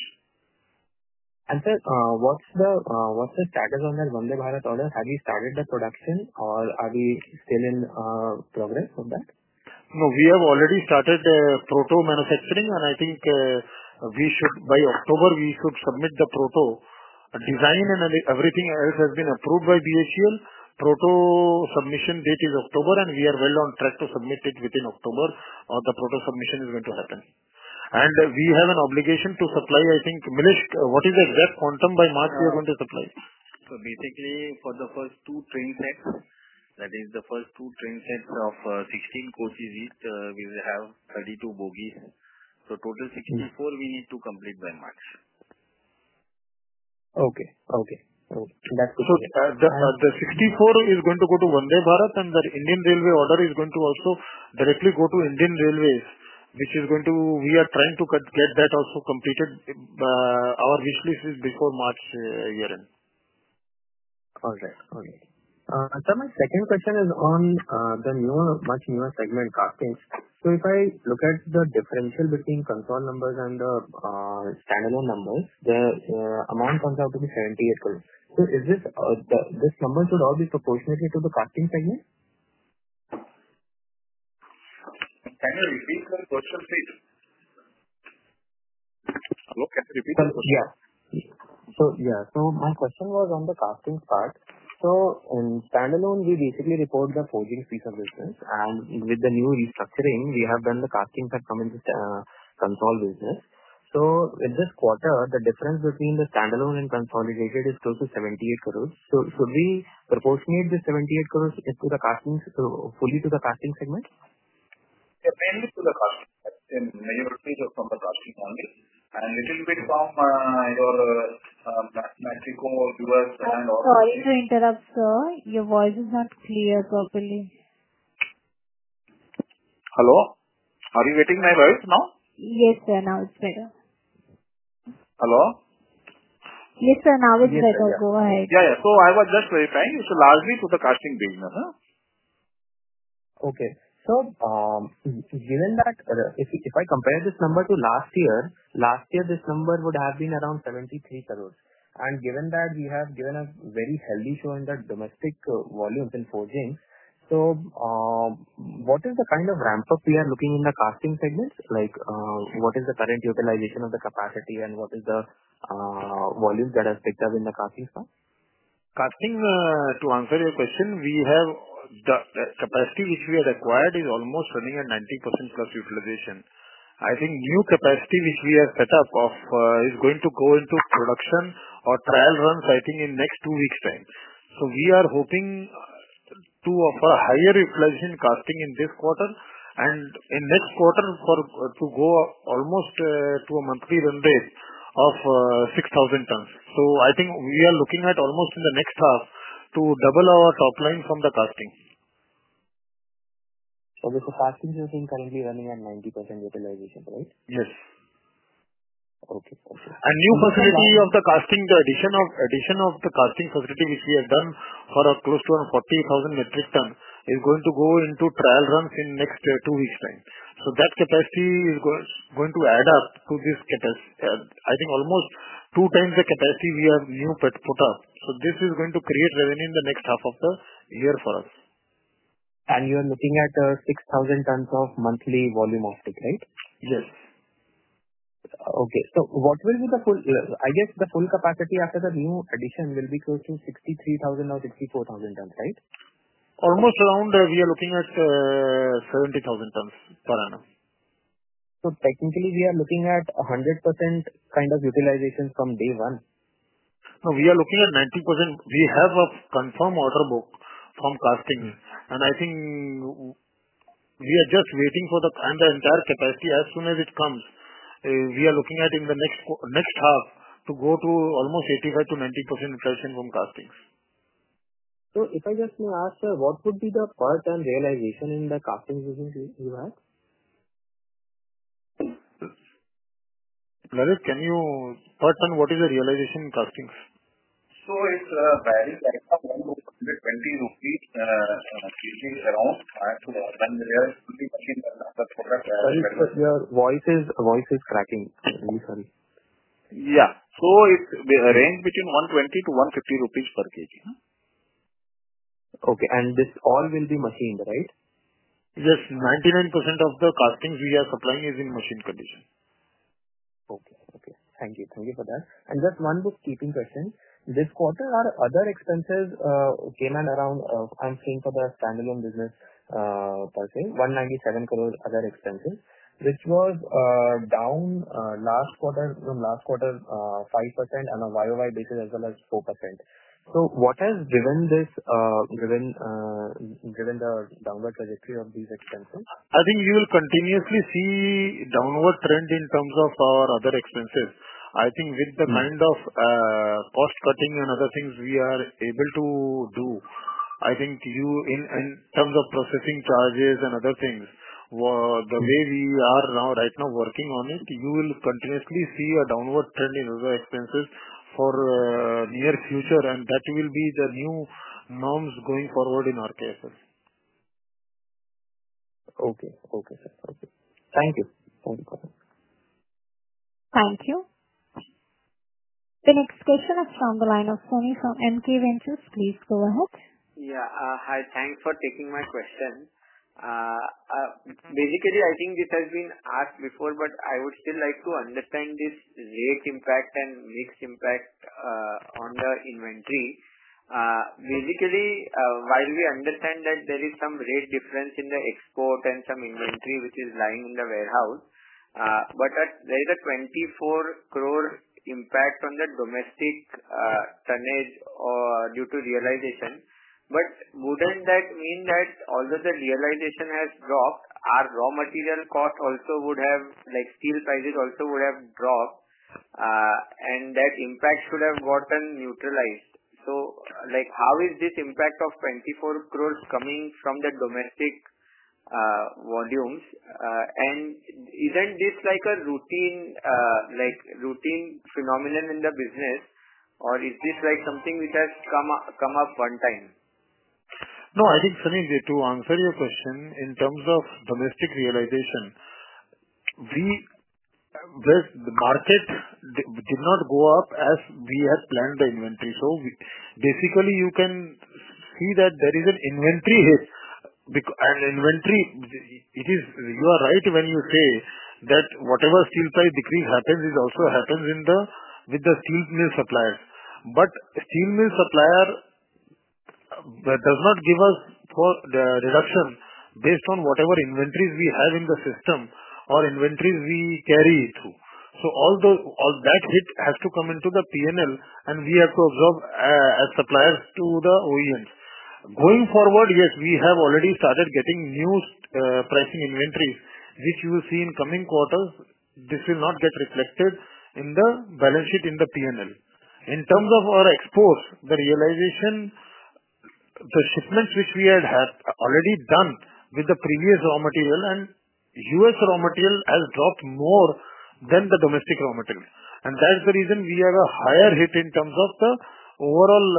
Sir, what's the status on the Vande Bharat order? Have you started the production, or are we still in progress on that? No, we have already started the proto manufacturing. I think by October, we should submit the proto design, and everything else has been approved by ACIL. Proto submission date is October, and we are well on track to submit it within October, or the proto submission is going to happen. We have an obligation to supply, I think, Milesh, what is the exact quantum by March we are going to supply? Basically, for the first two train sets, that is the first two train sets of 16 coaches, we will have 32 bogies. Total 64 we need to complete by March. Okay. Okay. Okay. That's the 64. The 64 is going to go to Vande Bharat, and the Indian Railways order is going to also directly go to Indian Railways, which is going to, we are trying to get that also completed. Our wishlist is before March year-end. Perfect. All right. Sir, my second question is on the newer, much newer segment costings. If I look at the differential between control numbers and the standalone numbers, the amount comes out to be 78 crore. Is this, this number should all be proportionate to the costing payment? Okay. Repeat that question. Yes. My question was on the costing part. On standalone, we basically report the forging fee services. With the new restructuring, we have done the costing for coming to control business. In this quarter, the difference between the standalone and consolidated is close to 78 crore. Should we proportionate the 78 crore to the costings, fully to the costing segment? Depends on the cost. In New York State, just on the costing only. This is a little bit cost either Mexico or U.S. brand or. Sorry to interrupt, sir. Your voice is not clear properly. Hello, are you getting my voice now? Yes, sir. Now it's better. Hello? Yes, sir. Now it's better. Go ahead. Yeah, yeah. I was just verifying. It's largely to the costing business. Okay. Given that, if I compare this number to last year, last year this number would have been around 73 crore. Given that you have given a very healthy show in the domestic volumes in forgings, what is the kind of ramp-up we are looking at in the casting segments? What is the current utilization of the capacity and what are the volumes that are picked up in the casting stock? Casting, to answer your question, we have the capacity which we have acquired is almost running at 90% plus utilization. I think new capacity which we have picked up is going to go into production or trial runs, I think, in the next two weeks' time. We are hoping to offer higher utilization in casting in this quarter and in the next quarter to go almost to a monthly run rate of 6,000 tons. I think we are looking at almost in the next half to double our topline from the casting. Okay. Casting is currently running at 90% utilization, right? Yes. Okay. The new facility of the casting, the addition of the casting facility which we have done for close to 40,000 metric tons, is going to go into trial runs in the next two weeks' time. That capacity is going to add up to this capacity. I think almost two times the capacity we have new put up. This is going to create revenue in the next half of the year for us. You are looking at 6,000 tons of monthly volume optic, right? Yes. Okay. What will be the full, I guess, the full capacity after the new addition will be close to 63,000 tons or 64,000 tons, right? Almost around that. We are looking at 70,000 tons per annum. Technically, we are looking at 100% kind of utilization from day one? No, we are looking at 90%. We have a confirmed order book from casting. I think we are just waiting for the entire capacity as soon as it comes. We are looking at in the next half to go to almost 85%-90% replacing from castings. If I just may ask, sir, what would be the per ton realization in the casting business you had? Lalit, can you tell what is the realization in castings? It varies between 50-60 kg per pound. Sorry, sir. Your voice is cracking. Yeah, it's the range between 120-150 rupees per kg. Okay. This all will be machined, right? Yes, 99% of the castings we are supplying is in machine condition. Okay. Thank you for that. Just one more scraping question. This quarter, our other expenses came in around 197 crore other expenses, which was down from last quarter, 5% on a YOY basis as well as 4%. What has driven this, driven the downward trajectory of these expenses? I think we will continuously see a downward trend in terms of our other expenses. With the kind of cost cutting and other things we are able to do, in terms of processing charges and other things, the way we are right now working on it, you will continuously see a downward trend in those expenses for the near future. That will be the new norms going forward in our cases. Okay. Okay, sir. Okay. Thank you. Thank you for that. Thank you. The next question is from the line of Sunny from MK Ventures. Please go ahead. Yeah. Hi. Thanks for taking my question. Basically, I think this has been asked before, but I would still like to understand this [ZH] impact and mixed impact on the inventory. Basically, while we understand that there is some rate difference in the export and some inventory which is lying in the warehouse, there is a 24 crore impact on the domestic tonnage or due to realization. Wouldn't that mean that although the realization has dropped, our raw material cost also would have, like steel prices also would have dropped, and that impact should have gotten neutralized? How is this impact of 24 crore coming from the domestic volumes? Isn't this a routine phenomenon in the business, or is this something which has come up one time? No, I think, Sunny, to answer your question, in terms of domestic realization, the market did not go up as we had planned the inventory. You can see that there is an inventory hit. You are right when you say that whatever steel price decrease happens, it also happens with the steel mill suppliers. However, the steel mill supplier does not give us the deduction based on whatever inventories we have in the system or inventories we carry through. All that has to come into the P&L, and we have to absorb as suppliers to the OEMs. Going forward, yes, we have already started getting new pricing inventories, which you will see in coming quarters. This will not get reflected in the balance sheet in the P&L. In terms of our exports, the realization equipments which we had had already done with the previous raw material and U.S. raw material has dropped more than the domestic raw materials. That's the reason we have a higher hit in terms of the overall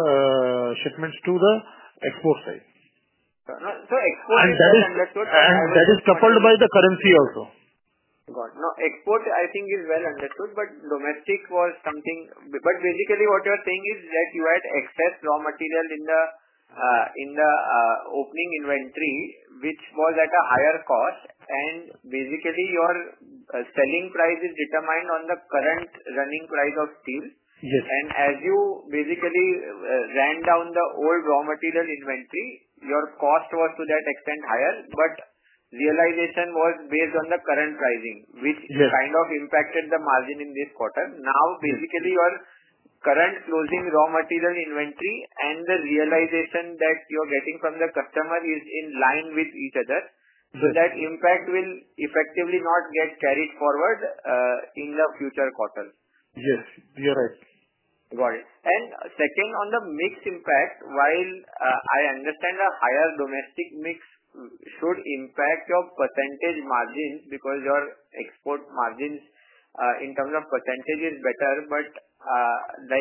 shipments to the export side. So export. That is coupled by the currency also. Got it. No, export, I think, is well understood, but domestic was something because basically, what you're saying is that you had excess raw material in the opening inventory, which was at a higher cost. Basically, your selling price is determined on the current running price of steel? Yes. As you basically ran down the old raw material inventory, your cost was to that extent higher, but realization was based on the current pricing, which kind of impacted the margin in this quarter. Now, basically, your current closing raw material inventory and the realization that you're getting from the customer is in line with each other. That impact will effectively not get carried forward in the future quarter. Yes, you're right. Got it. Second, on the mix impact, while I understand the higher domestic mix should impact your percentage margins because your export margins, in terms of percentage, is better,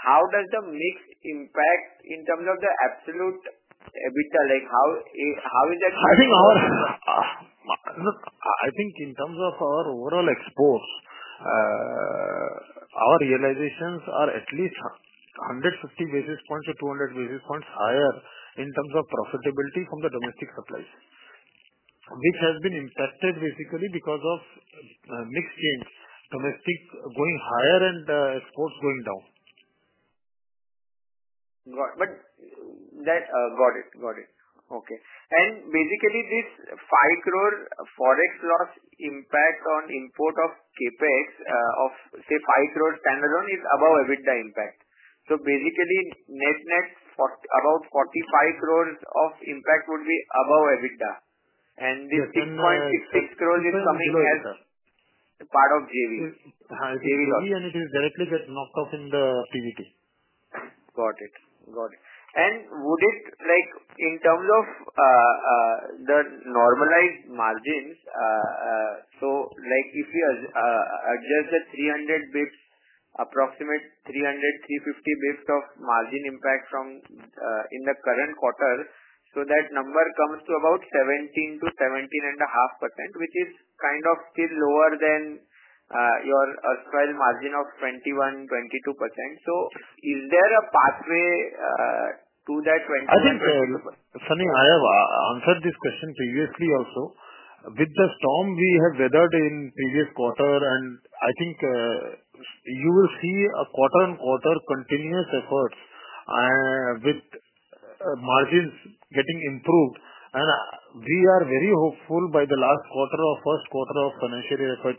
how does the mix impact in terms of the absolute EBITDA? How is it? I think in terms of our overall exports, our realizations are at least 150 basis points to 200 basis points higher in terms of profitability from the domestic supplies, which has been impacted basically because of mixed gains, domestic going higher and exports going down. Got it. Got it. Okay. Basically, this 5 crore forex loss impact on import of CapEx of, say, 5 crore standalone is above EBITDA impact. Basically, net net about 45 crore of impact would be above EBITDA. The 6.66 crore is coming from part of JV. JV and. It is directly get knocked off in the PVP. Got it. In terms of the normalized margins, if you adjust the 300 bps, approximate 300-350 bps of margin impact from the current quarter, that number comes to about 17%-17.5%, which is kind of still lower than your margin of 21%-22%. Is there a pathway to that 20%? I think, Sunny, I have answered this question previously also. With the storm we have weathered in the previous quarter, I think you will see a quarter-on-quarter continuous records, with margins getting improved. We are very hopeful by the last quarter or first quarter of financial year 2027,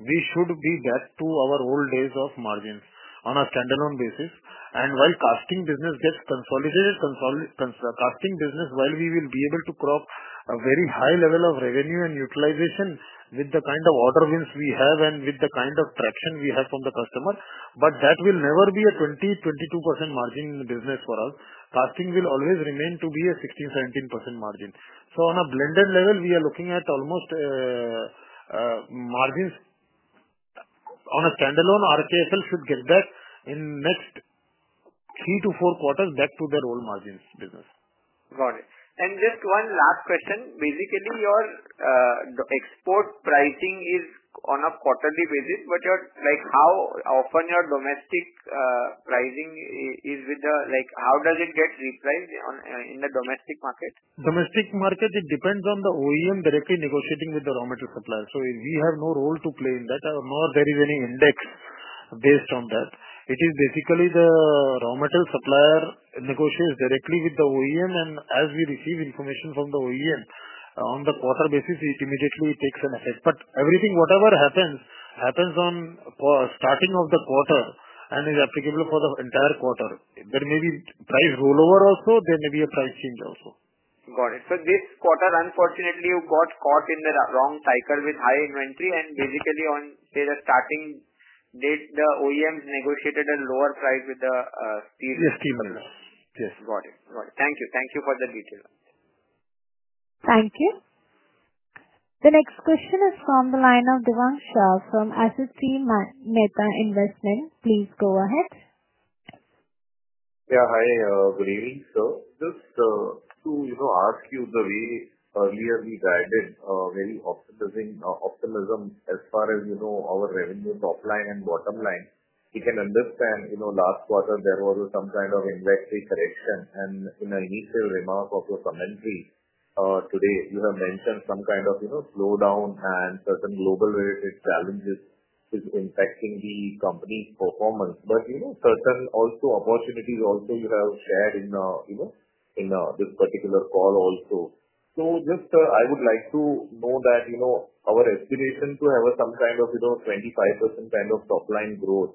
we should be back to our old days of margins on a standalone basis. While casting business gets consolidated, casting business, while we will be able to crop a very high level of revenue and utilization with the kind of order wins we have and with the kind of traction we have from the customer, that will never be a 20%-22% margin in the business for us. Casting will always remain to be a 16%-17% margin. On a blended level, we are looking at almost, margins on a standalone RKFL should get back in the next 3-4 quarters back to their old margins business. Got it. Just one last question. Basically, your export pricing is on a quarterly basis, but how often your domestic pricing is, like, how does it get repriced in the domestic market? Domestic market, it depends on the OEM directly negotiating with the raw material supplier. We have no role to play in that, nor is there any index based on that. Basically, the raw material supplier negotiates directly with the OEM, and as we receive information from the OEM on a quarter basis, it immediately takes a message. Everything, whatever happens, happens at the starting of the quarter and is applicable for the entire quarter. There may be price rollover also. There may be a price change also. Got it. This quarter, unfortunately, you got caught in the wrong cycle with high inventory, and basically, on the starting date, the OEM negotiated a lower price with the steel supplier. Yes, yes. Got it. Got it. Thank you. Thank you for the detail. Thank you. The next question is from the line of Devang Shah from Asit C Mehta Investment. Please go ahead. Yeah. Hi. Good evening, sir. Just to, you know, ask you, the way earlier we guided, very optimism as far as, you know, our revenue topline and bottom line, we can understand, you know, last quarter there was some kind of inventory selection. In an initial remark of your commentary today, you have mentioned some kind of, you know, slowdown and certain global challenges is impacting the company's performance. You know, certain also opportunities also you have shared in, you know, in this particular call also. I would like to note that, you know, our estimation to have some kind of, you know, 25% kind of topline growth.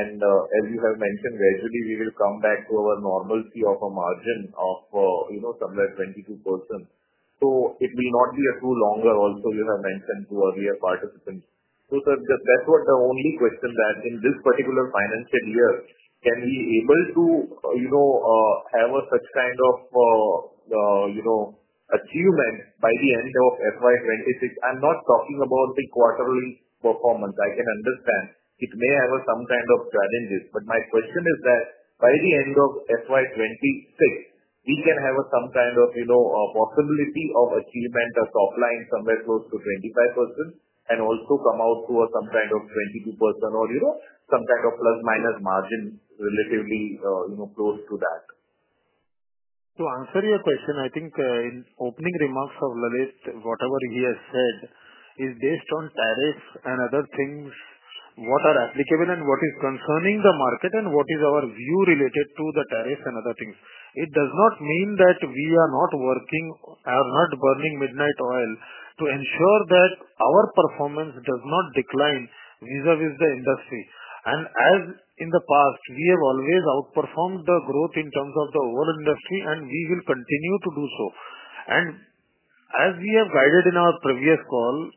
As you have mentioned, gradually, we will come back to our normalcy of a margin of, you know, somewhere 22%. It will not be a too longer also, you have mentioned to earlier participants. Sir, that was the only question that in this particular financial year, can we be able to, you know, have a such kind of, you know, achievement by the end of FY 2026? I'm not talking about the quarterly performance. I can understand it may have some kind of challenges. My question is that by the end of FY 2026, we can have some kind of, you know, a possibility of achievement as topline somewhere close to 25% and also come out to some kind of 22% or, you know, some kind of plus minus margin relatively, you know, close to that. To answer your question, I think in opening remarks of Lalit, whatever he has said is based on tariffs and other things, what are applicable and what is concerning the market and what is our view related to the tariffs and other things. It does not mean that we are not working, are not burning midnight oil to ensure that our performance does not decline vis-à-vis the industry. As in the past, we have always outperformed the growth in terms of the whole industry, and we will continue to do so. As we have guided in our previous call,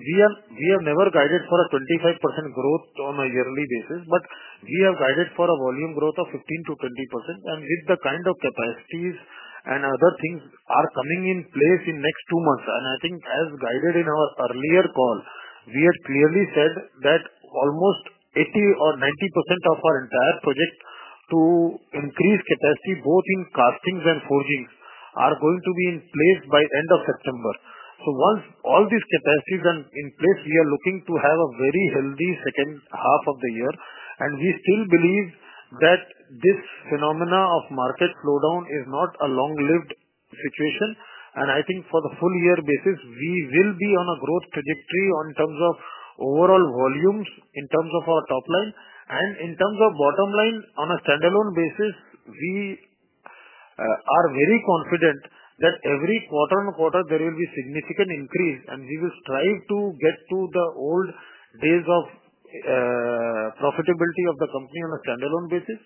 we have never guided for a 25% growth on a yearly basis, but we have guided for a volume growth of 15%-20%. With the kind of capacities and other things are coming in place in the next two months. As guided in our earlier call, we had clearly said that almost 80% or 90% of our entire projects to increase capacity both in castings and forgings are going to be in place by the end of September. Once all these capacities are in place, we are looking to have a very healthy second half of the year. We still believe that this phenomena of market slowdown is not a long-lived situation. I think for the full year basis, we will be on a growth trajectory in terms of overall volumes, in terms of our topline, and in terms of bottom line. On a standalone basis, we are very confident that every quarter on quarter, there will be a significant increase, and we will strive to get to the old days of profitability of the company on a standalone basis.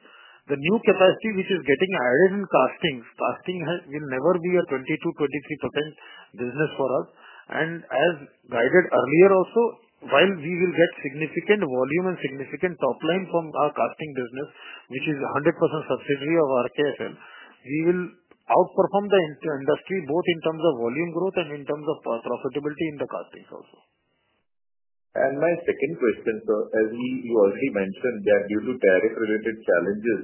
The new capacity which is getting added in castings, casting will never be a 22%-23% business for us. As guided earlier also, while we will get significant volume and significant topline from our casting business, which is 100% subsidiary of RKFL, we will outperform the industry both in terms of volume growth and in terms of profitability in the castings also. My second question, sir, as you already mentioned, there are due to tariff-related challenges,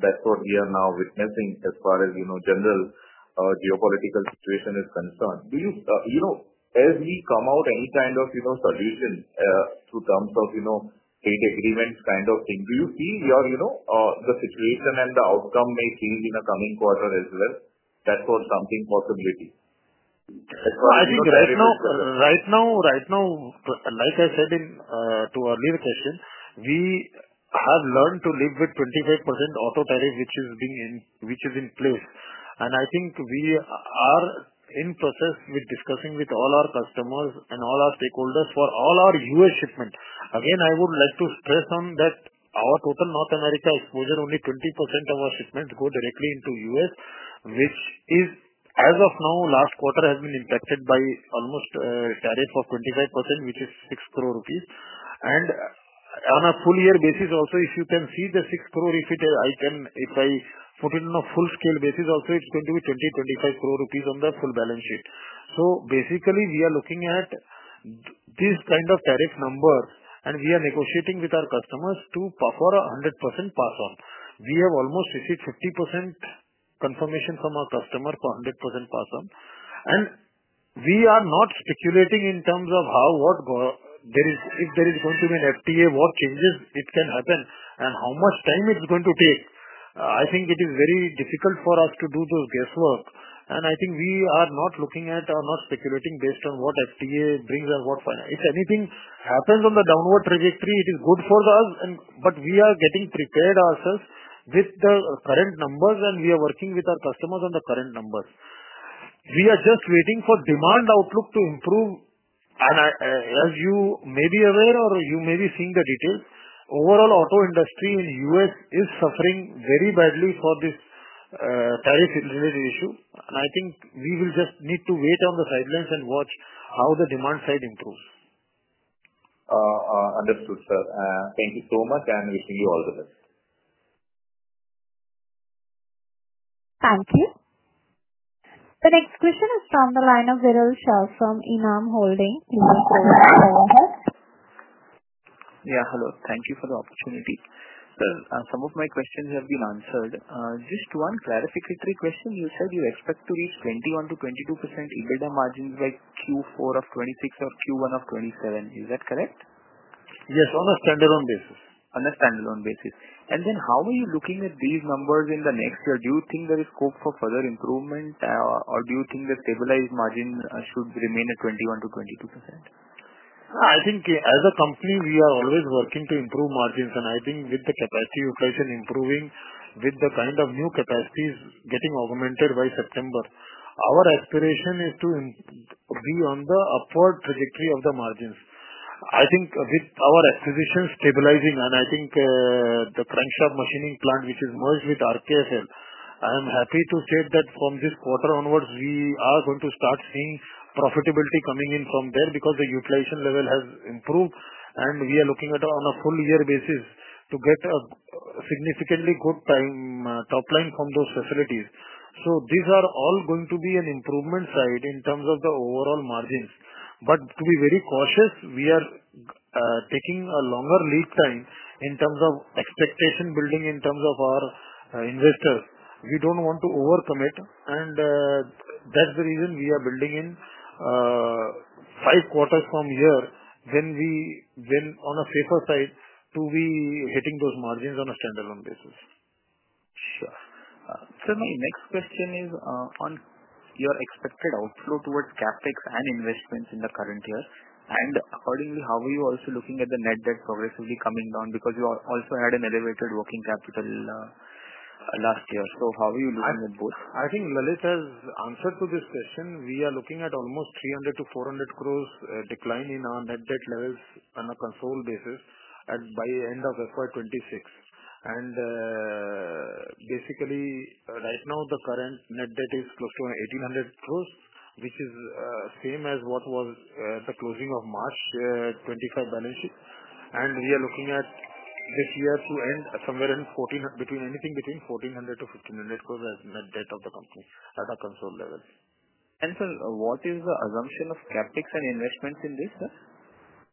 that's what we are now witnessing as far as general geopolitical situation is concerned. Do you, as we come out, any kind of studies in terms of trade agreements kind of thing, do you see your, the situation and the outcome may change in the coming quarter as well? That's what's something possibility? I think right now, like I said in earlier questions, we have learned to live with 25% auto tariff, which is in place. I think we are in process with discussing with all our customers and all our stakeholders for all our U.S. shipments. Again, I would like to stress on that our total North America exposure, only 20% of our shipments go directly into the U.S., which is, as of now, last quarter has been impacted by almost a tariff of 25%, which is 6 crore rupees. On a full year basis also, if you can see the 6 crore, if I put in a full-scale basis also, it's going to be 20 crore-25 crore rupees on the full balance sheet. Basically, we are looking at this kind of tariff number, and we are negotiating with our customers to offer a 100% pass-on. We have almost received 50% confirmation from our customer for 100% pass-on. We are not speculating in terms of if there is going to be an FTA, what changes it can happen, and how much time it's going to take. I think it is very difficult for us to do those guesswork. I think we are not looking at or not speculating based on what FTA brings us. If anything happens on the downward trajectory, it is good for us. We are getting prepared ourselves with the current numbers, and we are working with our customers on the current numbers. We are just waiting for demand outlook to improve. As you may be aware or you may be seeing the details, overall auto industry in the U.S. is suffering very badly for this tariff-related issue. I think we will just need to wait on the sidelines and watch how the demand side improves. Understood, sir. Thank you so much, and wishing you all the best. Thank you. The next question is from the line of Viral Shah from ENAM Holdings. Please go ahead. Yeah. Hello. Thank you for the opportunity. Some of my questions have been answered. Just one clarificatory question. You said you expect to reach 21%-22% EBITDA margins by Q4 of 2026 or Q1 of 2027. Is that correct? Yes, on a standalone basis. On a standalone basis, how are you looking at these numbers in the next year? Do you think there is scope for further improvement, or do you think the stabilized margin should remain at 21%-22%? I think as a company, we are always working to improve margins. I think with the capacity replacement improving, with the kind of new capacities getting augmented by September, our aspiration is to be on the upward trajectory of the margins. I think with our acquisitions stabilizing, and I think the crankshop machining plant, which is merged with RKFL, I am happy to say that from this quarter onwards, we are going to start seeing profitability coming in from there because the utilization level has improved. We are looking at it on a full-year basis to get a significantly good topline from those facilities. These are all going to be an improvement side in terms of the overall margins. To be very cautious, we are taking a longer lead time in terms of expectation building in terms of our investors. We don't want to overcommit, and that's the reason we are building in five quarters from here when we then on a safer side to be hitting those margins on a standalone basis. Sure. The next question is on your expected outflow towards CapEx and investments in the current year. Accordingly, how are you also looking at the net debt progressively coming down because you also had an elevated working capital last year? How are you looking at both? I think Lalit has answered to this question. We are looking at almost 300 crore-400 crore decline in our net debt levels on a control basis by the end of FY2026. Basically, right now, the current net debt is close to 1,800 crore, which is the same as what was the closing of March 2025 balance sheet. We are looking at this year to end somewhere in between anything between 1,400 to 1,500 crore as net debt of the company at our control levels. What is the assumption of CapEx and investments in this, sir?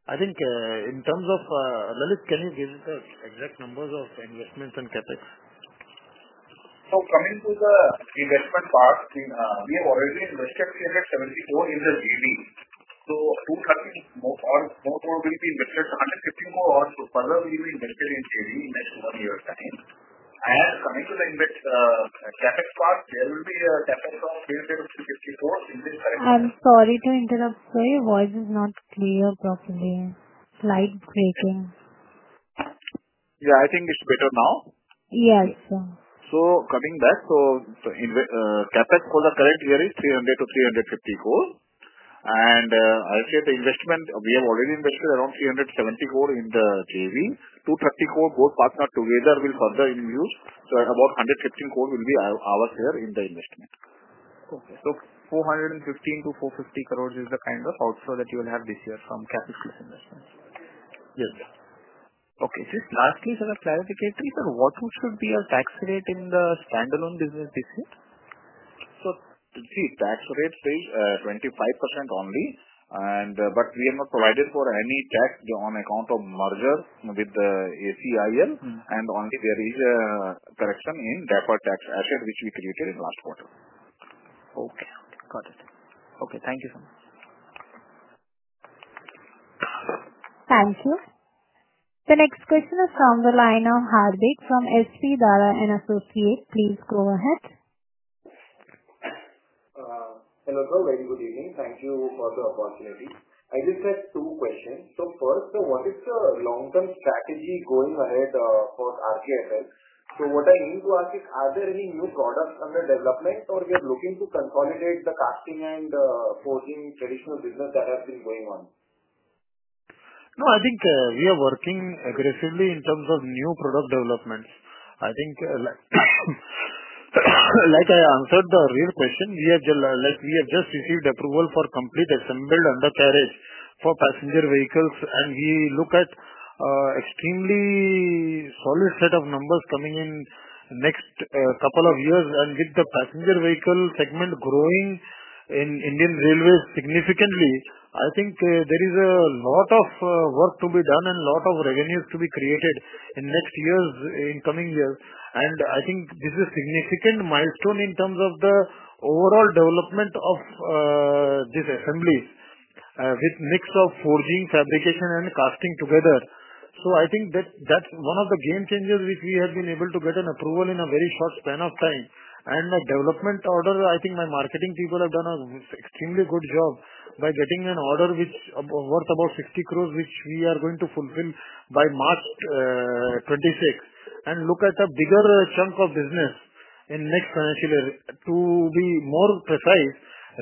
I think, in terms of, Lalit, can you give us the exact numbers of investments and CapEx? Coming to the investment part, we have already invested INR 370 crore in the region. In 2023, we have invested INR 115 crore further. We will invest it in the same investment. Coming to the CapEx part, there will be a CapEx of INR 300 crore. I'm sorry to interrupt, sir. Your voice is not clear properly. Slide is breaking. Yeah, I think it's better now? Yes, sir. CapEx for the current year is 300 crore-350 crore. I said the investment, we have already invested around 370 crore in the JV, 230 crore gold partner together will further increase. About 115 crores will be ours here in the investment. Okay. 415 crore-450 crores is the kind of outflow that you will have this year from profitless investments? Yes. Okay. Just lastly, sir, a clarification, sir, what would be your tax rate in the standalone business this year? The tax rate is 25% only, but we are not provided for any tax on account of mergers with ACIL, and only there is a correction in deferred tax assets which we created in the last quarter. Okay. Got it. Okay. Thank you so much. Thank you. The next question is from the line of Hardeep from SP Dara & Associates. Please go ahead. Hello, sir. Very good evening. Thank you for the opportunity. I just have two questions. First, what is your long-term strategy going ahead for Ramkrishna Forgings Limited? What I mean to ask is, are there any new products under development, or are we looking to consolidate the casting and forging traditional business that has been going on? No, I think we are working aggressively in terms of new product developments. I think, like I answered the earlier question, we have just received approval for complete assembled undercarriage assemblies for passenger vehicles. We look at an extremely solid set of numbers coming in. The next couple of years, and with the passenger vehicle segment growing in Indian Railways significantly, I think there is a lot of work to be done and a lot of revenues to be created in next years, in coming years. I think this is a significant milestone in terms of the overall development of these assemblies, with a mix of forging, fabrication, and casting together. I think that's one of the game changers which we have been able to get an approval in a very short span of time. The development order, I think my marketing people have done an extremely good job by getting an order which is worth about 60 crore, which we are going to fulfill by March 2026, and look at a bigger chunk of business in the next financial year. To be more precise,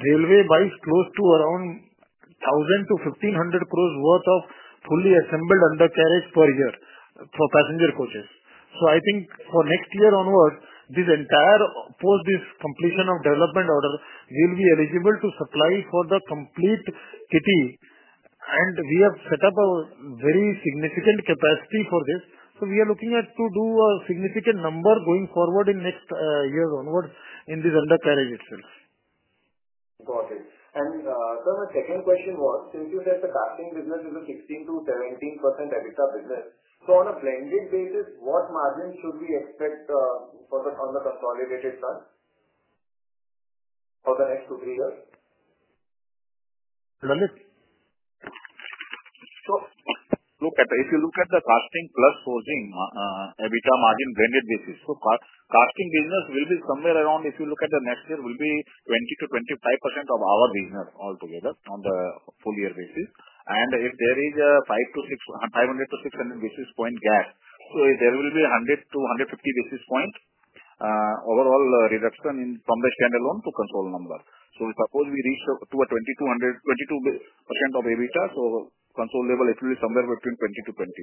railway buys close to around 1,000 crore-1,500 crore worth of fully assembled undercarriage assemblies per year for passenger coaches. I think for next year onwards, this entire post completion of development order will be eligible to supply for the complete city. We have set up a very significant capacity for this. We are looking at to do a significant number going forward in next years onwards in these undercarriage issues. Got it. My second question was, since you said the casting business is a 16%-17% at its business, on a blending basis, what margin should we expect on the consolidated fund over the next two to three years? If you look at the casting plus forging, EBITDA margin blended basis, casting business will be somewhere around, if you look at the next year, will be 20%-25% of our business altogether on the full-year basis. If there is a 500-600 basis point gap, there will be 100-150 basis point overall reduction in from the standalone to control number. We propose we reach to a 2,200, 22% of EBITDA. Control level, it will be somewhere between 20%-21%. Got it.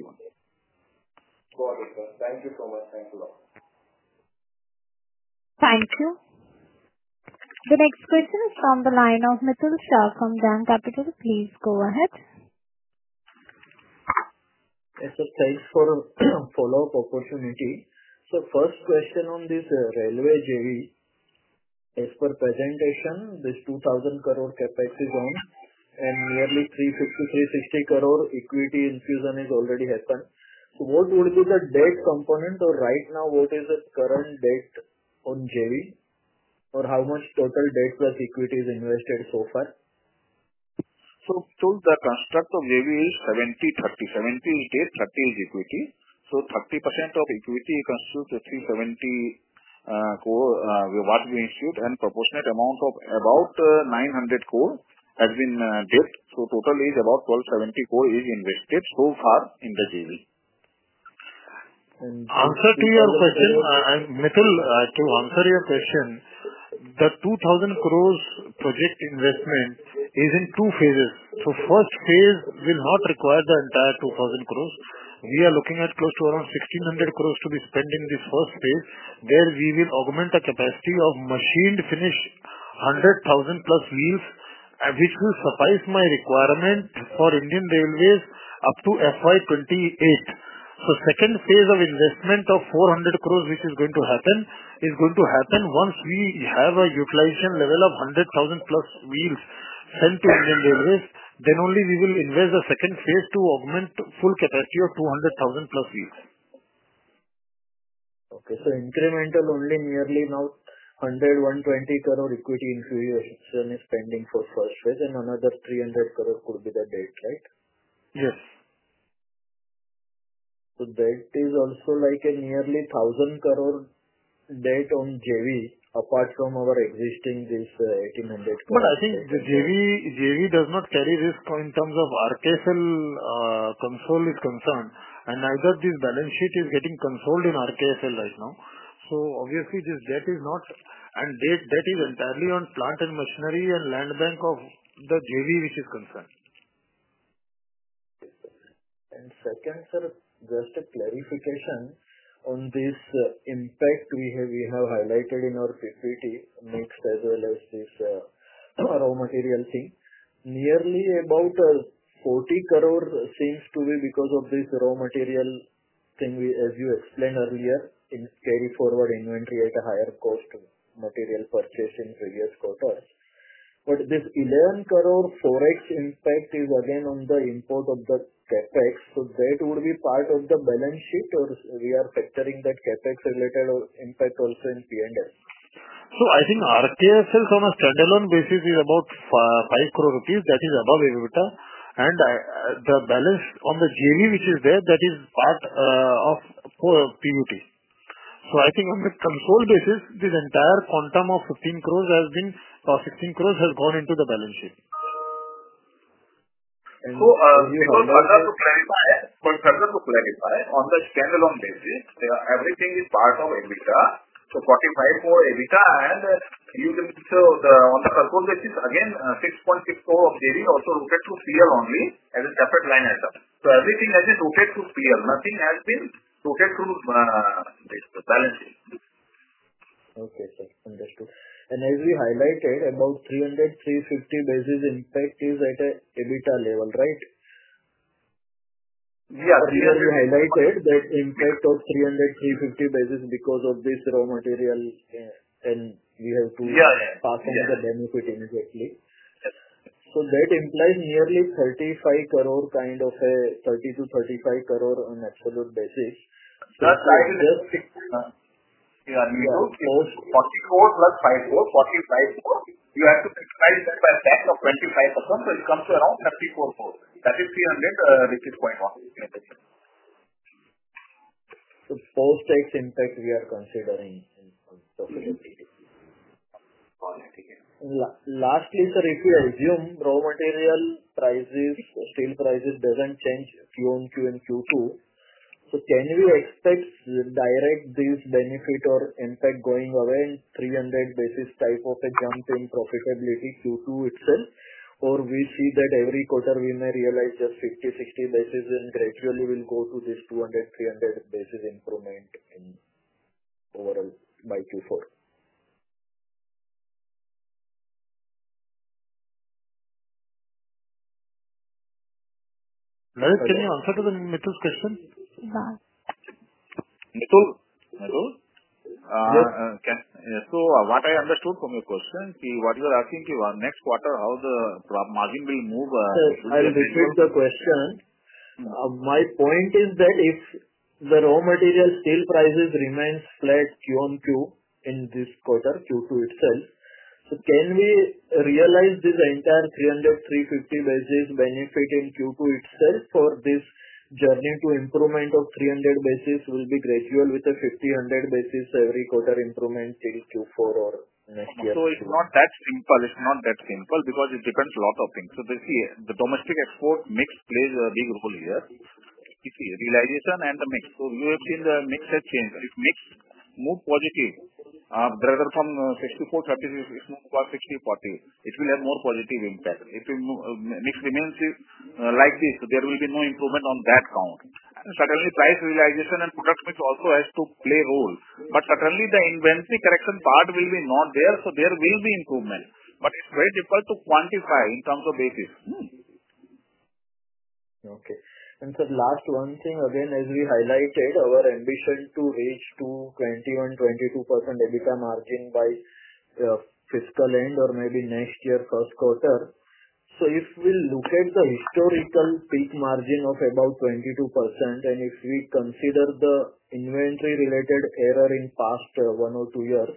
Thank you so much. Thanks a lot. Thank you. The next person is on the line now, Mitul Shah from DAM Capital. Please go ahead. Yes, sir. Thanks for a follow-up opportunity. First question on this railway JV, as per presentation, there's 2,000 crore capacity grown and nearly 350 crore-360 crore equity infusion has already happened. What would be the debt component? Right now, what is the current debt on JV? How much total debt plus equity is invested so far? Total current debt may be 70/30, 70 debt, 30 is equity. 30% of equity consumes between INR 70 crore what we issued and a proportionate amount of about 900 crore has been debt. Total is about 1,270 crore is invested so far in the JV. Answer to your question, Mitul, I'll answer your question. The 2,000 crore project investment is in two phases. The first phase will not require the entire 2,000 crore. We are looking at close to around 1,600 crore to be spent in this first phase. There we will augment the capacity of machined finished 100,000 plus wheels, which will suffice my requirement for Indian Railways up to FY 2028. The second phase of investment of 400 crore, which is going to happen, is going to happen once we have a utilization level of 100,000 plus wheels sent to Indian Railways. Only then will we invest the second phase to augment full capacity of 200,000 plus wheels. Incremental only, nearly now 100 crore, 120 crore equity infusion is pending for the first phase, and another 300 crore could be the debt, right? Yes. Debt is also like a nearly 1,000 crore debt on JV apart from our existing this INR 1,800 crore. I think the JV does not carry risk in terms of RKFL console is concerned. Neither this balance sheet is getting consoled in RKFL right now. Obviously, this debt is not, and debt is entirely on plant and machinery and land bank of the JV, which is concerned. Second, sir, just a clarification on this impact we have highlighted in our PBT mix as well as this raw material thing. Nearly about 40 crore seems to be because of this raw material thing we, as you explained earlier, in scale forward inventory at a higher cost material purchase in previous quarters. This 11 crore forex impact is again on the import of the CapEx. That would be part of the balance sheet, or we are factoring that CapEx-related impact also in P&L. I think RKFL on a standalone basis is about INR 5 crore. That is above EBITDA. The balance on the JV, which is there, that is part of PBT. I think on the control basis, this entire quantum of 15 crore-16 crore has gone into the balance sheet. Further to clarify, on the standalone basis, everything is part of EBITDA. So 45 crore EBITDA. You can show on the control basis, again, 6.6 crore of JV also rotates to PL only as a separate line item. Everything has been rotated to PL. Nothing has been rotated to the balance sheet. Okay, sir. Understood. As we highlighted, about 300-350 basis points impact is at EBITDA level, right? Yeah. Earlier you highlighted that impact of 300-350 basis because of this raw material, and you have to pass on the benefit immediately. That implies nearly 30 crore-35 crore on absolute basis. Yeah. We wrote 40 crores + INR 5 crores, 45 crores. We have to subsidize the per cap of 25%. It comes to around INR 34 crores. That is 300, which is 0.1. Both types of impact we are considering in the. All right. Last year's review, raw material prices, sale prices doesn't change Q1, Q2, and Q2. Can you expect direct this benefit or impact going away in 300 basis type of a jump in profitability Q2 itself? Or we see that every quarter we may realize just 50-60 basis and gradually we'll go to this 200-300 basis increment in overall by Q4? Lalit, can you answer to the Mitul question? Yes. Mitul? Yes. What I understood from your question, what you are asking is next quarter how the margin will move? I repeat the question. My point is that if the raw material sale prices remain flat Q1 and Q2 in this quarter, Q2 itself, can we realize this entire 300-350 bps benefit in Q2 itself for this journey to improvement of 300 bps? Will it be gradual with a 50-100 bps every quarter improvement till Q4 or next year? It's not that simple because it depends on a lot of things. The domestic export mix plays a big role here. You see, realization and the mix is a mixed share. If mix moves positive, from 60-40, it will have more positive impact. If the mix remains like this, there will be no improvement on that ground. Certainly, price realization and production also has to play roles. Certainly, the inventory correction part will be not there, so there will be improvement. It's very difficult to quantify in terms of basis. Okay. The last one thing, again, as we highlighted, our ambition to reach to 21%-22% EBITDA margin by the fiscal end or maybe next year first quarter. If we look at the historical peak margin of about 22%, and if we consider the inventory-related error in the past one or two years,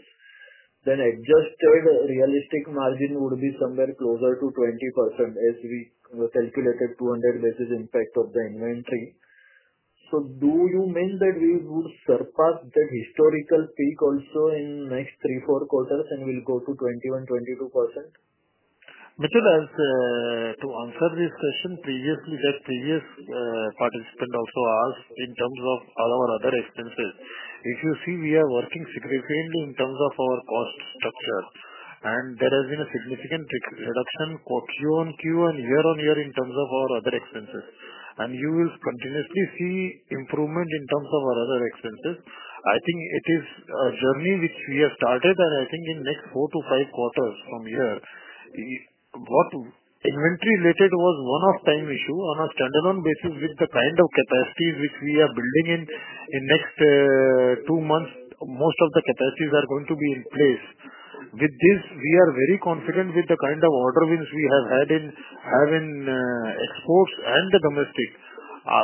then at just choice, a realistic margin would be somewhere closer to 20% as we calculated 200 basis impact of the inventory. Do you mean that we would surpass the historical peak also in the next 3-4 quarters and we'll go to 21%-22%? Mitul, to answer this question, previously, the previous participant also asked in terms of our other expenses. If you see, we are working significantly in terms of our cost structure. There has been a significant reduction Q1 and Q2 and year on year in terms of our other expenses. You will continuously see improvement in terms of our other expenses. I think it is a journey which we have started. I think in the next 4-5 quarters from here, what inventory-related was one of the time issues on a standalone basis with the kind of capacity which we are building in in the next two months, most of the capacities are going to be in place. With this, we are very confident with the kind of order which we have had in exports and the domestics.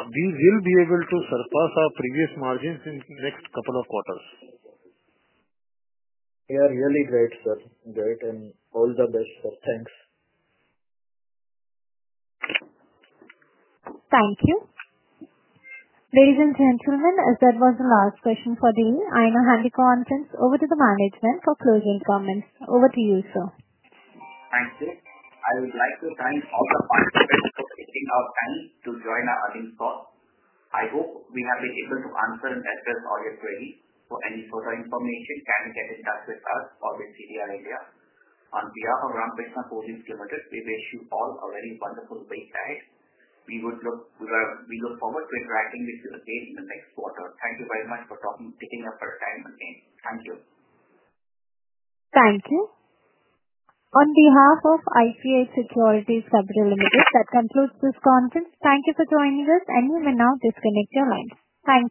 We will be able to surpass our previous margins in the next couple of quarters. Yeah, really great, sir. Great, and all the best. Thanks. Thank you. Ladies and gentlemen, that was the last question for the week. I now hand the conference over to the management for closing comments. Over to you, sir. Thanks, sir. I would like to thank all the participants for taking our time to join our earnings call. I hope we have been able to answer and address all your queries. For any further information, you can get in touch with us or with CDR India. On behalf of Ramkrishna Forgings Limited, we wish you all a really wonderful paycheck. We look forward to interacting with you again in the next quarter. Thank you very much for taking up our time again. Thank you. Thank you. On behalf of IIFL Capital, that concludes this conference. Thank you for joining us. We will now disconnect your line. Thank you.